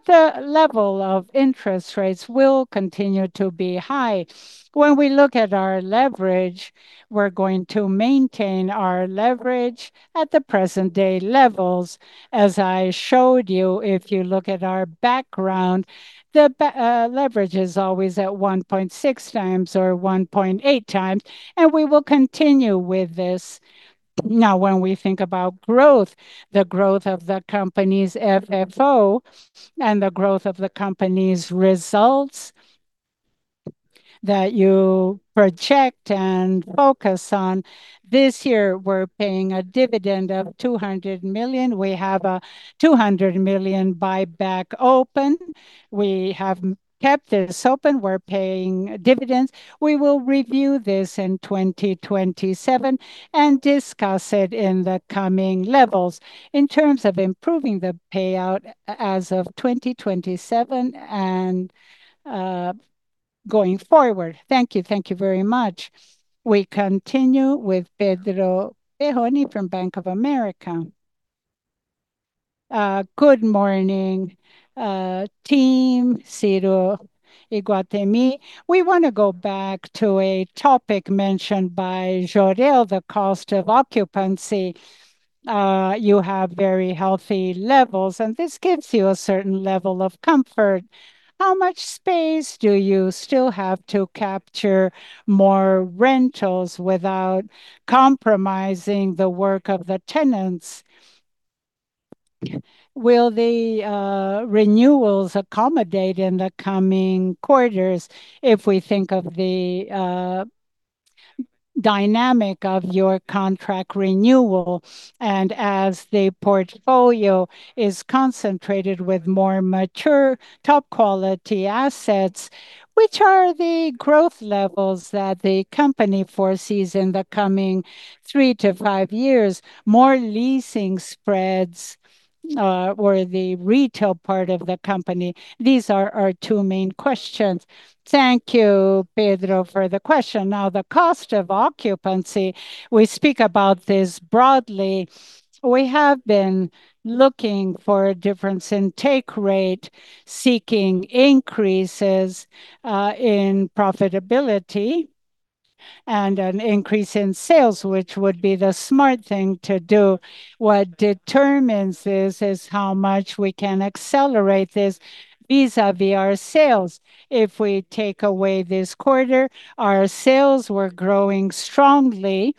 The level of interest rates will continue to be high. When we look at our leverage, we're going to maintain our leverage at the present day levels. As I showed you, if you look at our background, the leverage is always at 1.6x or 1.8x, we will continue with this. When we think about growth, the growth of the company's FFO the growth of the company's results that you project and focus on, this year we're paying a dividend of 200 million. We have a 200 million buyback open. We have kept this open. We're paying dividends. We will review this in 2027 and discuss it in the coming levels in terms of improving the payout as of 2027 going forward. Thank you. Thank you very much. We continue with Pedro Perone from Bank of America. Good morning, team Ciro, Iguatemi. We want to go back to a topic mentioned by Jorel, the cost of occupancy. You have very healthy levels, this gives you a certain level of comfort. How much space do you still have to capture more rentals without compromising the work of the tenants? Will the renewals accommodate in the coming quarters if we think of the dynamic of your contract renewal? As the portfolio is concentrated with more mature, top-quality assets, which are the growth levels that the company foresees in the coming three to five years, more leasing spreads, or the retail part of the company? These are our two main questions. Thank you, Pedro, for the question. The cost of occupancy, we speak about this broadly. We have been looking for a difference in take rate, seeking increases in profitability, an increase in sales, which would be the smart thing to do. What determines this is how much we can accelerate this vis-à-vis our sales. If we take away this quarter, our sales were growing strongly.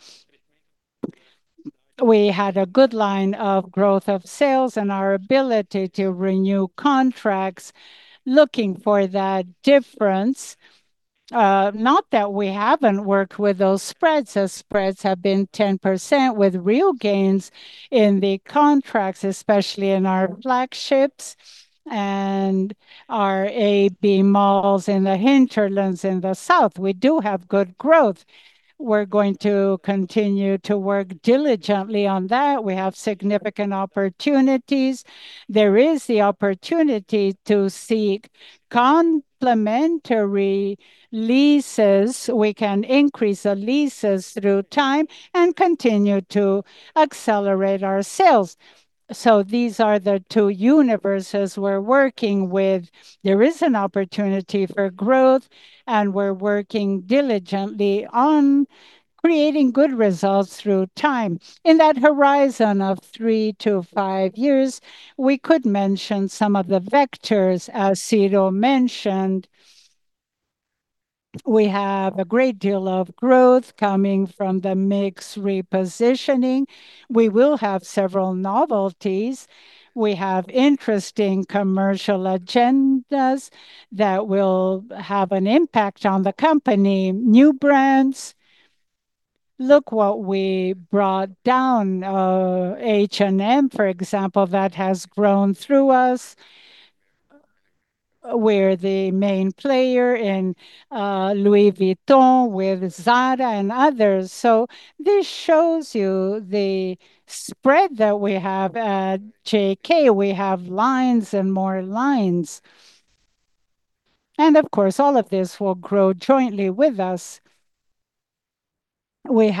We had a good line of growth of sales our ability to renew contracts, looking for that difference. Not that we haven't worked with those spreads, as spreads have been 10% with real gains in the contracts, especially in our flagships our AB malls in the hinterlands in the south. We do have good growth. We're going to continue to work diligently on that. We have significant opportunities. There is the opportunity to seek complementary leases. We can increase the leases through time continue to accelerate our sales. These are the two universes we're working with. There is an opportunity for growth, we're working diligently on creating good results through time. In that horizon of three to five years, we could mention some of the vectors as Ciro mentioned. We have a great deal of growth coming from the mix repositioning. We will have several novelties. We have interesting commercial agendas that will have an impact on the company. New brands. Look what we brought down, H&M, for example, that has grown through us. We're the main player in Louis Vuitton with Zara others. This shows you the spread that we have at JK. We have lines and more lines. Of course, all of this will grow jointly with us. On the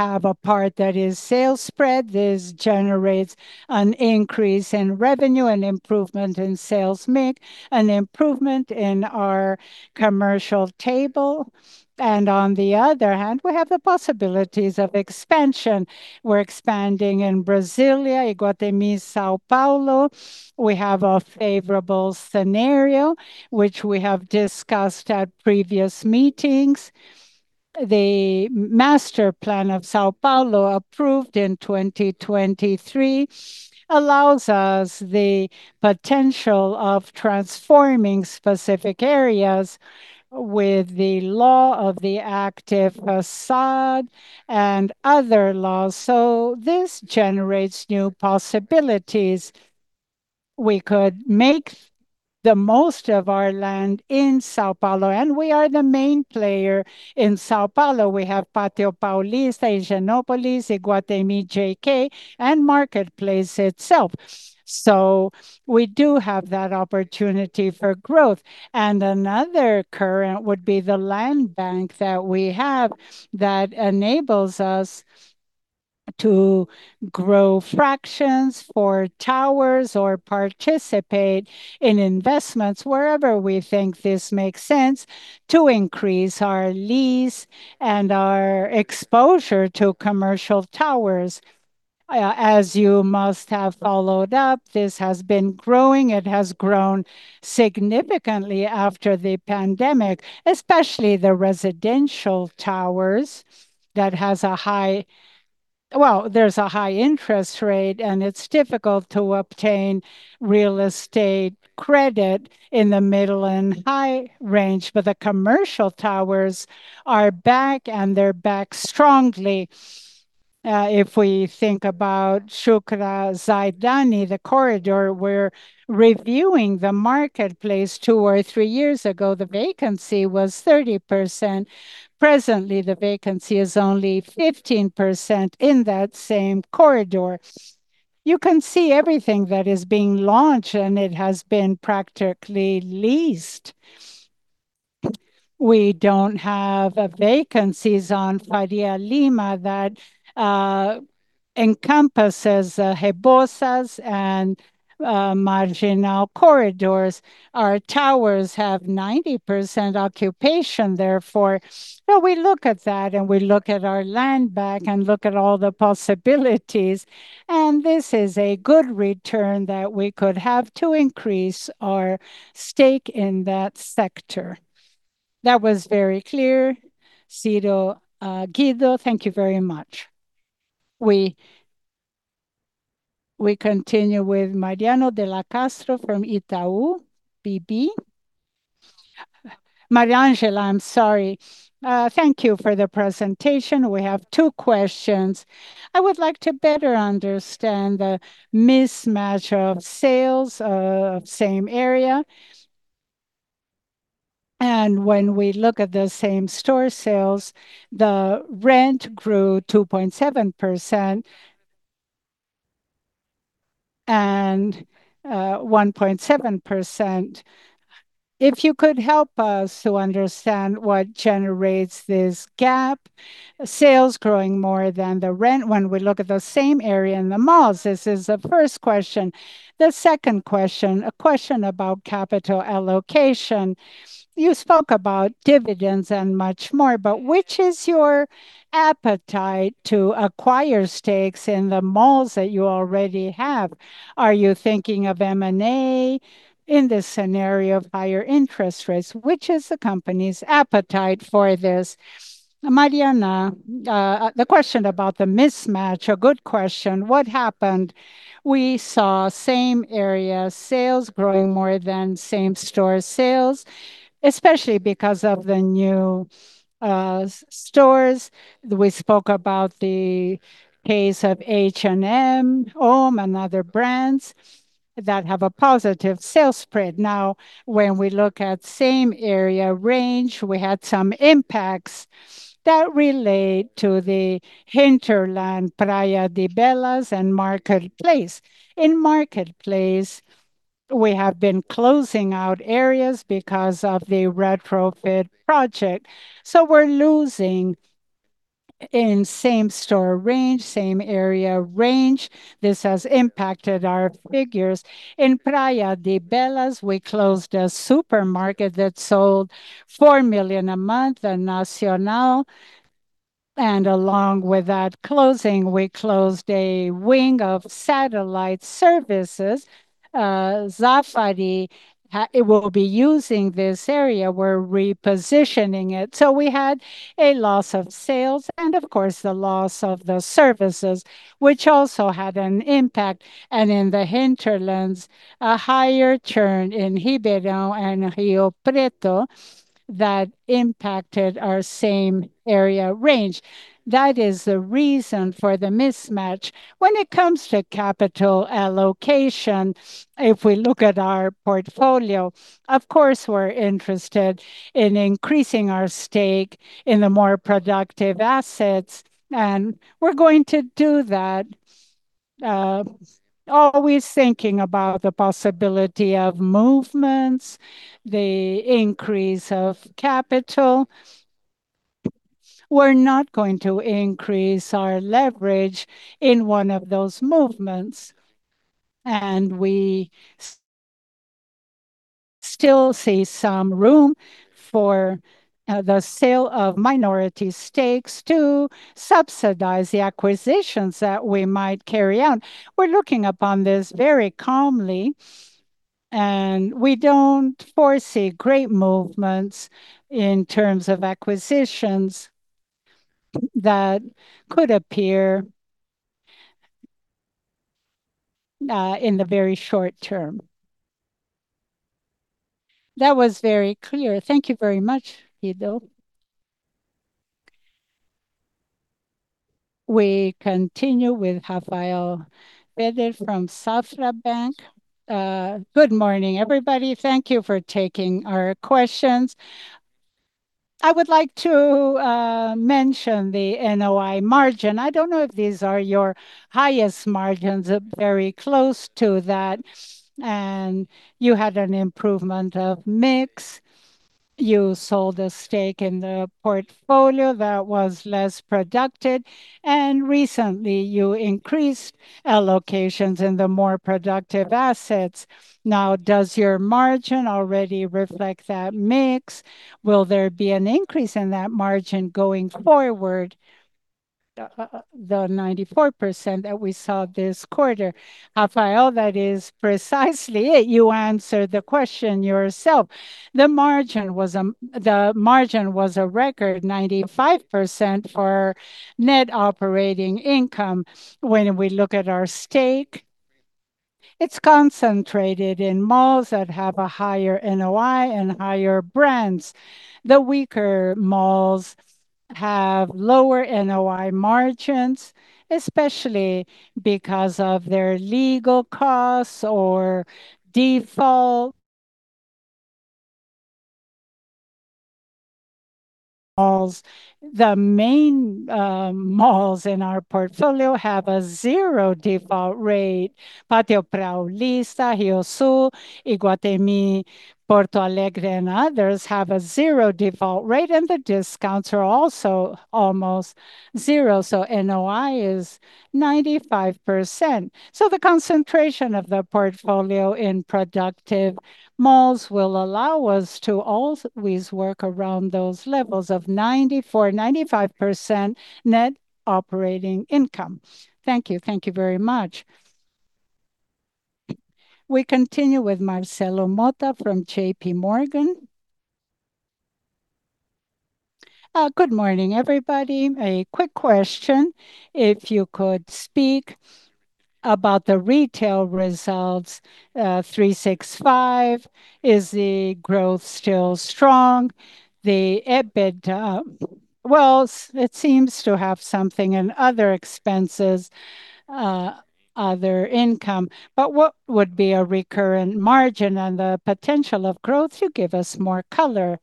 other hand, we have the possibilities of expansion. We are expanding in Brasília, Iguatemi São Paulo. We have a favorable scenario, which we have discussed at previous meetings. The master plan of São Paulo, approved in 2023, allows us the potential of transforming specific areas with the law of the active façade and other laws. This generates new possibilities. We could make the most of our land in São Paulo. We are the main player in São Paulo. We have Pátio Paulista, Higienópolis, JK Iguatemi, and Market Place itself. We do have that opportunity for growth. Another current would be the land bank that we have that enables us to grow fractions for towers or participate in investments wherever we think this makes sense to increase our lease and our exposure to commercial towers. As you must have followed up, this has been growing. It has grown significantly after the pandemic, especially the residential towers that has a high interest rate, and it is difficult to obtain real estate credit in the middle and high range. The commercial towers are back, and they are back strongly. If we think about Chucri Zaidan, the corridor, we are reviewing the Market Place two or three years ago, the vacancy was 30%. Presently, the vacancy is only 15% in that same corridor. You can see everything that is being launched, and it has been practically leased. We do not have vacancies on Faria Lima that encompasses Rebouças and Marginal corridors. Our towers have 90% occupation, therefore. We look at that, and we look at our land bank and look at all the possibilities, and this is a good return that we could have to increase our stake in that sector. That was very clear, Ciro, Guido. Thank you very much. We continue with Mariangela Castro from Itaú BBA. Mariangela, I'm sorry. Thank you for the presentation. We have two questions. I would like to better understand the mismatch of sales of same area. When we look at the same-store sales, the rent grew 2.7% and 1.7%. If you could help us to understand what generates this gap, sales growing more than the rent when we look at the same area in the malls. This is the first question. The second question, a question about capital allocation. You spoke about dividends and much more. Which is your appetite to acquire stakes in the malls that you already have? Are you thinking of M&A in this scenario of higher interest rates? Which is the company's appetite for this? Mariangela, the question about the mismatch, a good question. What happened? We saw same-area sales growing more than same-store sales, especially because of the new stores. We spoke about the case of H&M, Zara Home, and other brands that have a positive sales spread. When we look at same area range, we had some impacts that relate to the hinterland, Praia de Belas, and Market Place. In Market Place, we have been closing out areas because of the retrofit project. We are losing in same-store range, same area range. This has impacted our figures. In Praia de Belas, we closed a supermarket that sold 4 million a month, Nacional. Along with that closing, we closed a wing of satellite services. Zaffari will be using this area. We're repositioning it. We had a loss of sales and of course, the loss of those services, which also had an impact. In the hinterlands, a higher churn in Ribeirão and Rio Preto that impacted our same-area range. That is the reason for the mismatch. When it comes to capital allocation, if we look at our portfolio, of course, we're interested in increasing our stake in the more productive assets, and we're going to do that, always thinking about the possibility of movements, the increase of capital. We're not going to increase our leverage in one of those movements, and we still see some room for the sale of minority stakes to subsidize the acquisitions that we might carry out. We're looking upon this very calmly, and we don't foresee great movements in terms of acquisitions that could appear in the very short term. That was very clear. Thank you very much, Guido. We continue with Rafael Rehder from Safra Bank. Good morning, everybody. Thank you for taking our questions. I would like to mention the NOI margin. I don't know if these are your highest margins, but very close to that, and you had an improvement of mix. You sold a stake in the portfolio that was less productive, and recently you increased allocations in the more productive assets. Does your margin already reflect that mix? Will there be an increase in that margin going forward? The 94% that we saw this quarter. Rafael, that is precisely it. You answered the question yourself. The margin was a record 95% for net operating income. When we look at our stake, it's concentrated in malls that have a higher NOI and higher brands. The weaker malls have lower NOI margins, especially because of their legal costs or default malls. The main malls in our portfolio have a zero default rate. Pátio Paulista, RioSul, Iguatemi, Porto Alegre, and others have a zero default rate, and the discounts are also almost zero, so NOI is 95%. The concentration of the portfolio in productive malls will allow us to always work around those levels of 94%-95% net operating income. Thank you. Thank you very much. We continue with Marcelo Motta from JPMorgan. Good morning, everybody. A quick question. If you could speak about the retail results, 365, is the growth still strong? The EBITDA, well, it seems to have something in other expenses, other income. What would be a recurrent margin and the potential of growth? You give us more color.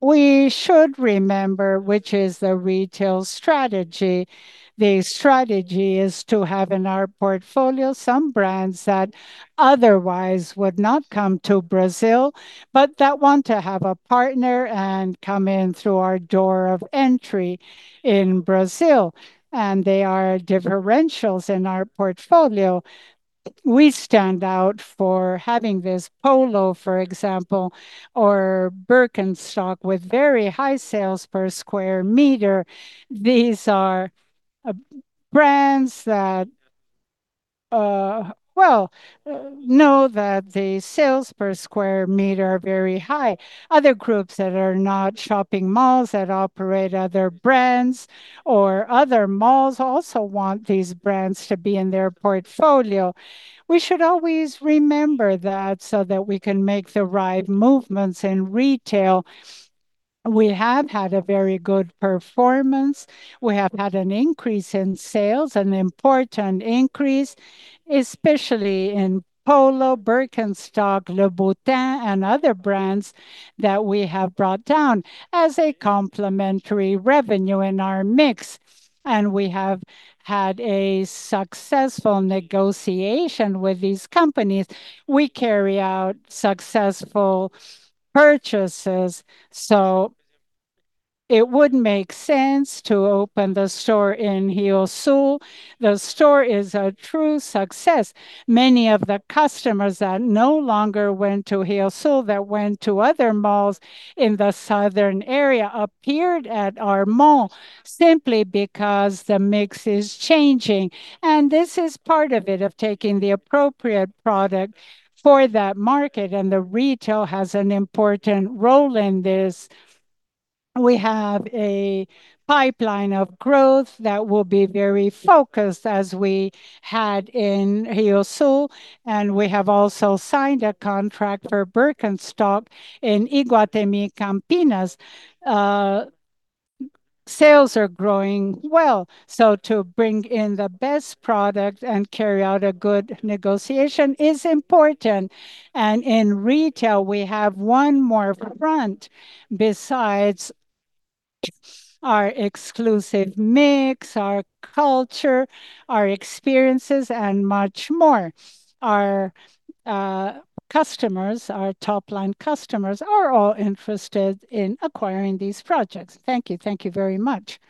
We should remember which is the retail strategy. The strategy is to have in our portfolio some brands that otherwise would not come to Brazil, but that want to have a partner and come in through our door of entry in Brazil, and they are differentials in our portfolio. We stand out for having this Polo, for example, or Birkenstock with very high sales per square meter. These are brands that know that the sales per square meter are very high. Other groups that are not shopping malls that operate other brands or other malls also want these brands to be in their portfolio. We should always remember that so that we can make the right movements in retail. We have had a very good performance. We have had an increase in sales, an important increase, especially in Polo, Birkenstock, Louboutin, and other brands that we have brought down as a complementary revenue in our mix. We have had a successful negotiation with these companies. We carry out successful purchases, so it would make sense to open the store in RioSul. The store is a true success. Many of the customers that no longer went to RioSul, that went to other malls in the southern area, appeared at our mall simply because the mix is changing. This is part of it, of taking the appropriate product for that market, and the retail has an important role in this. We have a pipeline of growth that will be very focused as we had in RioSul. We have also signed a contract for Birkenstock in Iguatemi Campinas. Sales are growing well, so to bring in the best product and carry out a good negotiation is important. In retail, we have one more front besides our exclusive mix, our culture, our experiences, and much more. Our customers, our top-line customers, are all interested in acquiring these projects. Thank you. Thank you very much.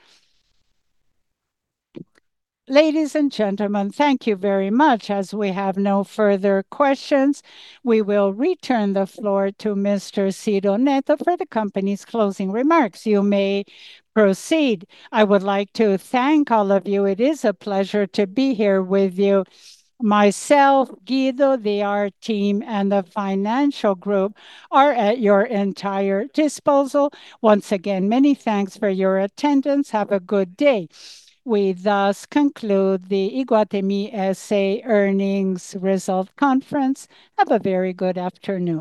Ladies and gentlemen, thank you very much. As we have no further questions, we will return the floor to Mr. Ciro Neto for the company's closing remarks. You may proceed. I would like to thank all of you. It is a pleasure to be here with you. Myself, Guido, the IR team, and the financial group are at your entire disposal. Once again, many thanks for your attendance. Have a good day. We thus conclude the Iguatemi S.A. earnings result conference. Have a very good afternoon.